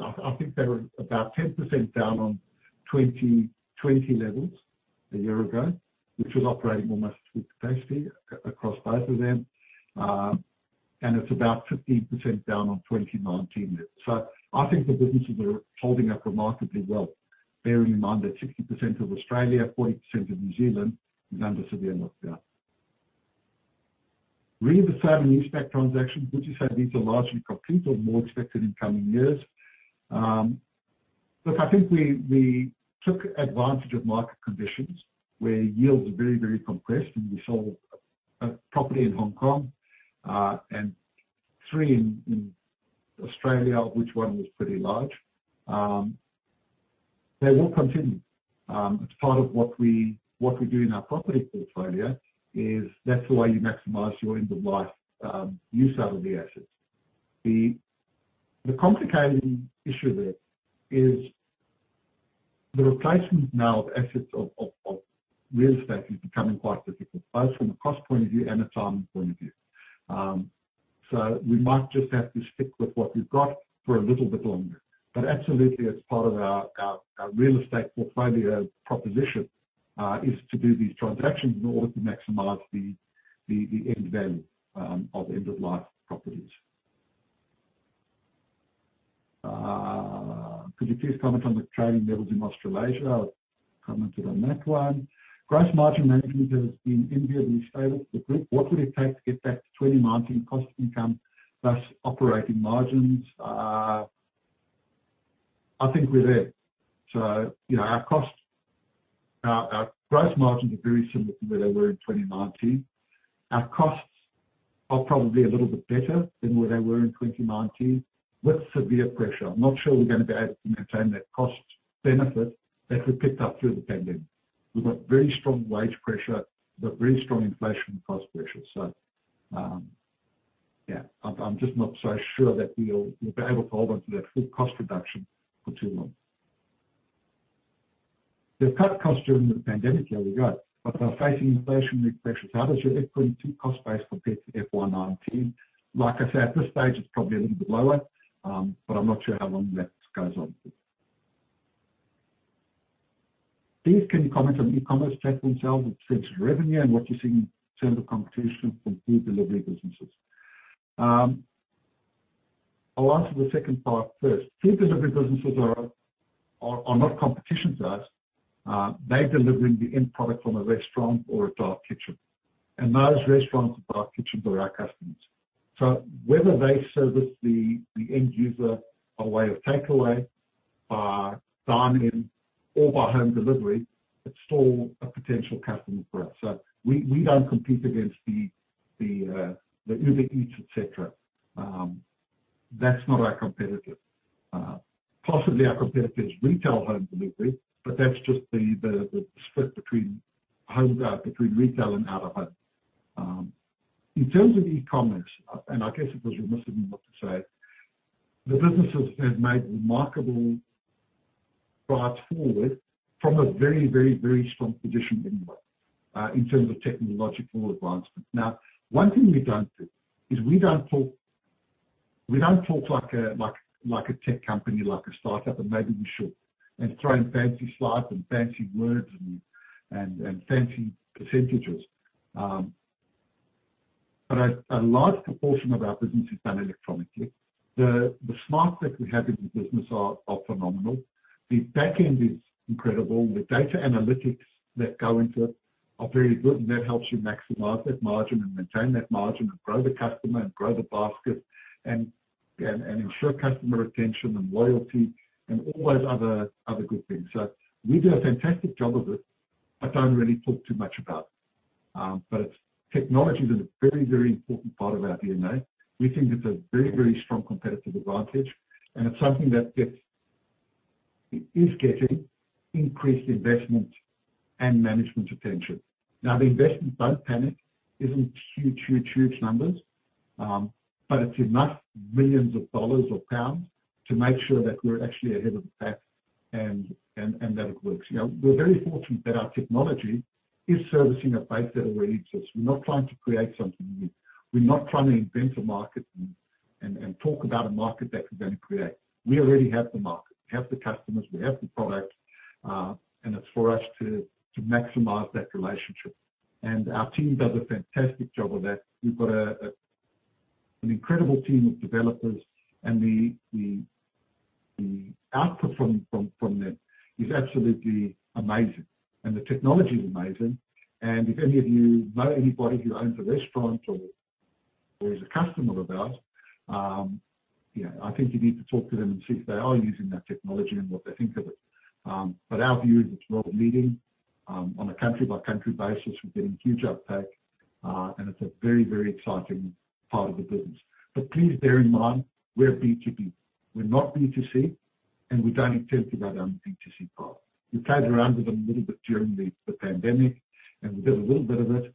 I think they were about 10% down on 2020 levels a year ago, which was operating almost at capacity across both of them. It's about 15% down on 2019 levels. I think the businesses are holding up remarkably well, bearing in mind that 60% of Australia, 40% of New Zealand is under severe lockdown. Re the sale and leaseback transactions, would you say these are largely complete or more expected in coming years? I think we took advantage of market conditions where yields are very, very compressed, and we sold a property in Hong Kong, and three in Australia, of which one was pretty large. They will continue. It's part of what we do in our property portfolio is that's the way you maximize your end-of-life use out of the assets. The complicated issue there is the replacement now of assets of real estate is becoming quite difficult, both from a cost point of view and a timing point of view. We might just have to stick with what we've got for a little bit longer. Absolutely, it's part of our real estate portfolio proposition, is to do these transactions in order to maximize the end value of end-of-life properties. Could you please comment on the trading levels in Australasia? I commented on that one. Gross margin management has been enviably stable for the group. What would it take to get back to 2019 cost income plus operating margins? I think we're there. Our gross margins are very similar to where they were in 2019. Our costs are probably a little bit better than where they were in 2019 with severe pressure. I'm not sure we're going to be able to maintain that cost benefit that we picked up through the pandemic. We've got very strong wage pressure. We've got very strong inflation cost pressures. Yeah, I'm just not so sure that we'll be able to hold on to that full cost reduction for too long. You've cut costs during the pandemic. Yeah, we got. Now facing inflationary pressures, how does your FY22 cost base compare to FY19? Like I said, at this stage, it's probably a little bit lower, but I'm not sure how long that goes on for. Please can you comment on e-commerce take themselves in terms of revenue and what you see in terms of competition from food delivery businesses? I'll answer the second part first. Food delivery businesses are not competition to us. They're delivering the end product from a restaurant or a dark kitchen. Those restaurants and dark kitchens are our customers. Whether they service the end user by way of takeaway, by dine-in or by home delivery, it's still a potential customer for us. We don't compete against the Uber Eats, et cetera. That's not our competitor. Possibly our competitor is retail home delivery, that's just the split between retail and out of home. In terms of e-commerce, and I guess it was remiss of me not to say it, the businesses have made remarkable strides forward from a very strong position anyway, in terms of technological advancement. One thing we don't do is we don't talk like a tech company, like a startup, and maybe we should, and throw in fancy slides and fancy words and fancy percentage. A large proportion of our business is done electronically. The smarts that we have in the business are phenomenal. The back end is incredible. The data analytics that go into it are very good, and that helps you maximize that margin and maintain that margin and grow the customer and grow the basket and ensure customer retention and loyalty and all those other good things. We do a fantastic job of it, but don't really talk too much about it. Technology is a very important part of our DNA. We think it's a very strong competitive advantage, and it's something that is getting increased investment and management attention. The investment, don't panic, isn't huge numbers, but it's enough millions of dollars or pounds to make sure that we're actually ahead of the pack and that it works. We're very fortunate that our technology is servicing a base that already exists. We're not trying to create something new. We're not trying to invent a market and talk about a market that we're going to create. We already have the market. We have the customers, we have the product, and it's for us to maximize that relationship. Our team does a fantastic job of that. We've got an incredible team of developers. The output from them is absolutely amazing. The technology is amazing. If any of you know anybody who owns a restaurant or is a customer of ours, I think you need to talk to them and see if they are using that technology and what they think of it. Our view is it's world-leading. On a country-by-country basis, we're getting huge uptake. It's a very exciting part of the business. Please bear in mind, we're B2B. We're not B2C, and we don't intend to go down the B2C path. We played around with them a little bit during the pandemic, and we did a little bit of it.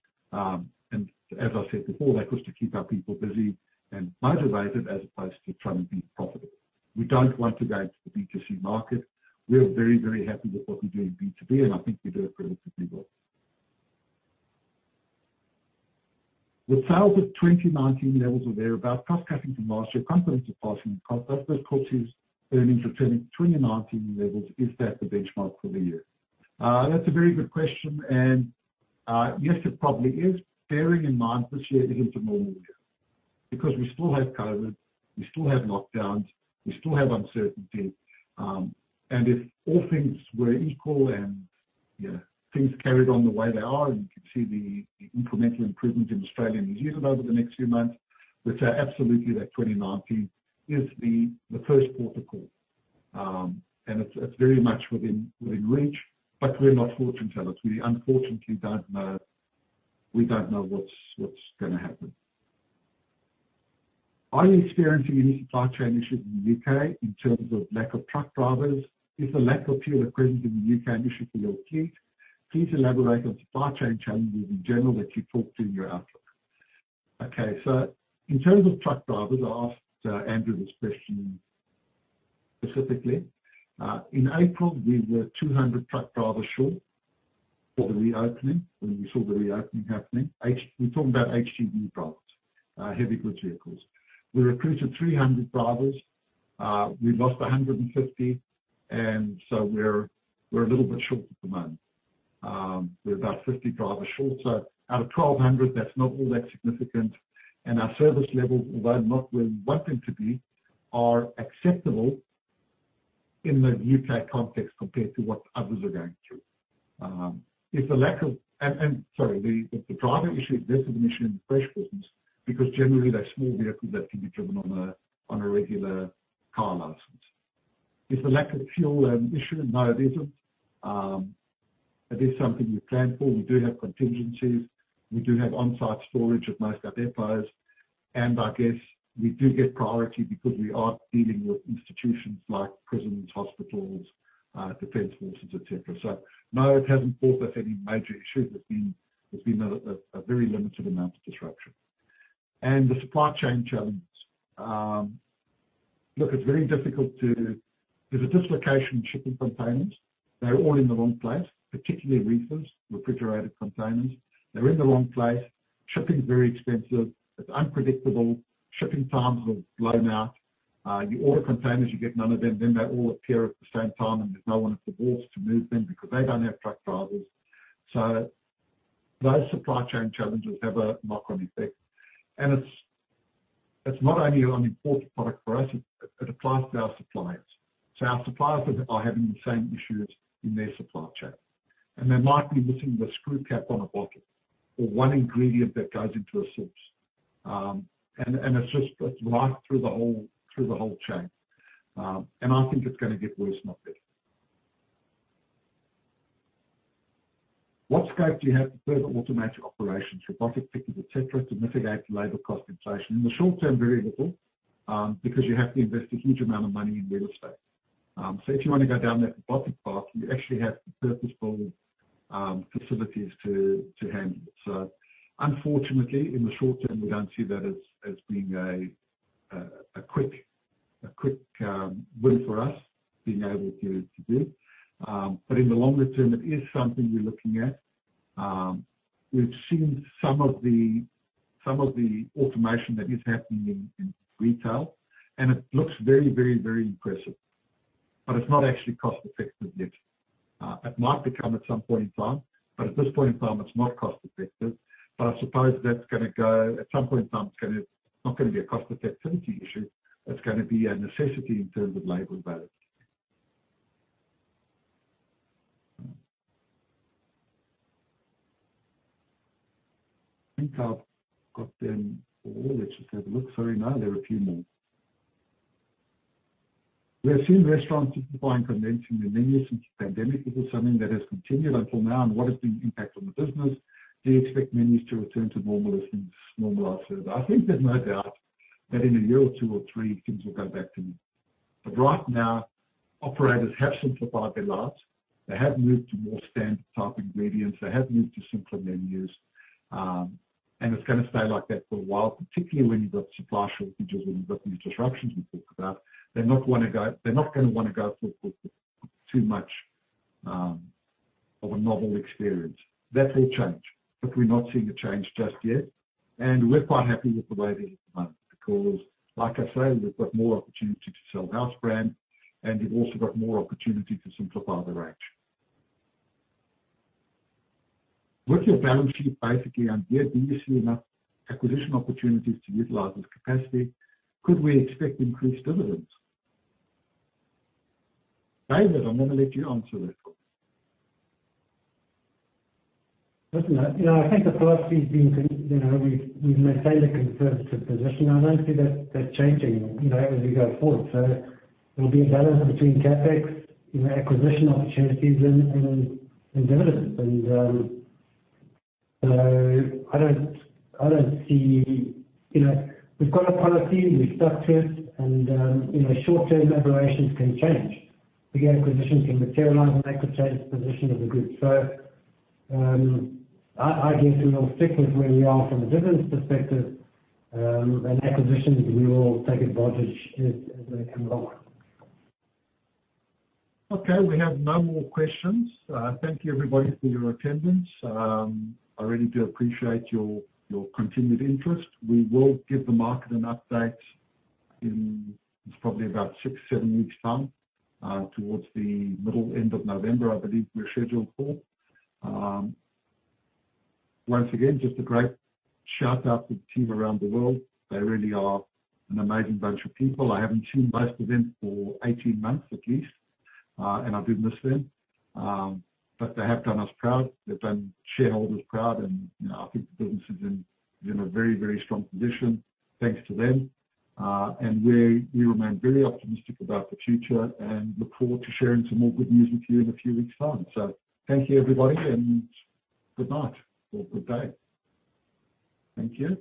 As I said before, that was to keep our people busy and motivated as opposed to trying to be profitable. We don't want to go into the B2C market. We are very happy with what we do in B2B, and I think we do it relatively well. Will sales at 2019 levels or thereabout, plus CapEx from last year, confidence of passing the cost-plus, of course, earnings returning to 2019 levels, is that the benchmark for the year?" That's a very good question, and yes, it probably is. Bearing in mind this year isn't a normal year, because we still have COVID, we still have lockdowns, we still have uncertainty. If all things were equal and things carried on the way they are, and you could see the incremental improvement in Australia and New Zealand over the next few months, we'd say absolutely that 2019 is the first port of call. It's very much within reach, but we're not fortune tellers. We unfortunately don't know what's going to happen. "Are you experiencing any supply chain issues in the U.K. in terms of lack of truck drivers? Is the lack of fuel a present in the U.K. issue for your fleet? Please elaborate on supply chain challenges in general that you talked to in your outlook. In terms of truck drivers, I asked Andrew this question specifically. In April, we were 200 truck drivers short for the reopening, when we saw the reopening happening. We're talking about HGV drivers, heavy goods vehicles. We recruited 300 drivers. We lost 150, we're a little bit short at the moment. We're about 50 drivers short. Out of 1,200, that's not all that significant. Our service levels, although not where we want them to be, are acceptable in the U.K. context compared to what others are going through. Sorry, the driver issue isn't an issue in fresh produce, because generally, they're small vehicles that can be driven on a regular car license. Is the lack of fuel an issue? No, it isn't. It is something we plan for. We do have contingencies. We do have on-site storage at most of our depots. I guess we do get priority because we are dealing with institutions like prisons, hospitals, defense forces, et cetera. No, it hasn't caused us any major issues. There's been a very limited amount of disruption. The supply chain challenges. Look, it's very difficult. There's a dislocation in shipping containers. They're all in the wrong place, particularly reefers, refrigerated containers. They're in the wrong place. Shipping is very expensive. It's unpredictable. Shipping times have blown out. You order containers, you get none of them, then they all appear at the same time, and there's no one at the ports to move them because they don't have truck drivers. Those supply chain challenges have a knock-on effect. It's not only on imported product for us, it applies to our suppliers. Our suppliers are having the same issues in their supply chain. They might be missing the screw cap on a bottle or one ingredient that goes into a sauce. It's just right through the whole chain. I think it's going to get worse, not better. "What scope do you have to further automate your operations, robotic picking, et cetera, to mitigate labor cost inflation?" In the short term, very little, because you have to invest a huge amount of money in real estate. If you want to go down that robotic path, you actually have purpose-built facilities to handle it. Unfortunately, in the short term, we don't see that as being a quick win for us being able to do. In the longer term, it is something we're looking at. We've seen some of the automation that is happening in retail, and it looks very impressive, but it's not actually cost-effective yet. It might become at some point in time, but at this point in time, it's not cost-effective. I suppose at some point in time, it's not going to be a cost-effectivity issue, it's going to be a necessity in terms of labor availability. I think I've got them all. Let's just have a look. Sorry, no, there are a few more. We have seen restaurants simplifying contents in their menus since the pandemic. Is this something that has continued until now, and what has been the impact on the business? Do you expect menus to return to normal as things normalize further? I think there's no doubt that in a year or two or three, things will go back to normal. But right now, operators have simplified their lives. They have moved to more standard type ingredients. They have moved to simpler menus. And it's going to stay like that for a while, particularly when you've got supply shortages and you've got these disruptions we've talked about. They're not going to want to go for too much of a novel experience. That will change, but we're not seeing a change just yet, and we're quite happy with the way things are at the moment because, like I say, we've got more opportunity to sell house brand, and we've also got more opportunity to simplify the range. With your balance sheet basically ungeared, do you see enough acquisition opportunities to utilize this capacity? Could we expect increased dividends? David, I am going to let you answer that one. Listen, We've maintained a conservative position. I don't see that changing as we go forward. There'll be a balance between CapEx, acquisition opportunities, and dividends. We've got a policy, we've stuck to it, and short-term deliberations can change. Big acquisitions can materialize, and that could change the position of the group. I guess we will stick with where we are from a dividends perspective, and acquisitions, we will take advantage as they come along. Okay. We have no more questions. Thank you everybody for your attendance. I really do appreciate your continued interest. We will give the market an update in, it's probably about six, seven weeks' time, towards the middle, end of November, I believe we're scheduled for. Once again, just a great shout-out to the team around the world. They really are an amazing bunch of people. I haven't seen most of them for 18 months at least, and I do miss them. They have done us proud. They've done shareholders proud, and I think the business is in a very strong position thanks to them. We remain very optimistic about the future and look forward to sharing some more good news with you in a few weeks' time. Thank you everybody, and good night or good day. Thank you.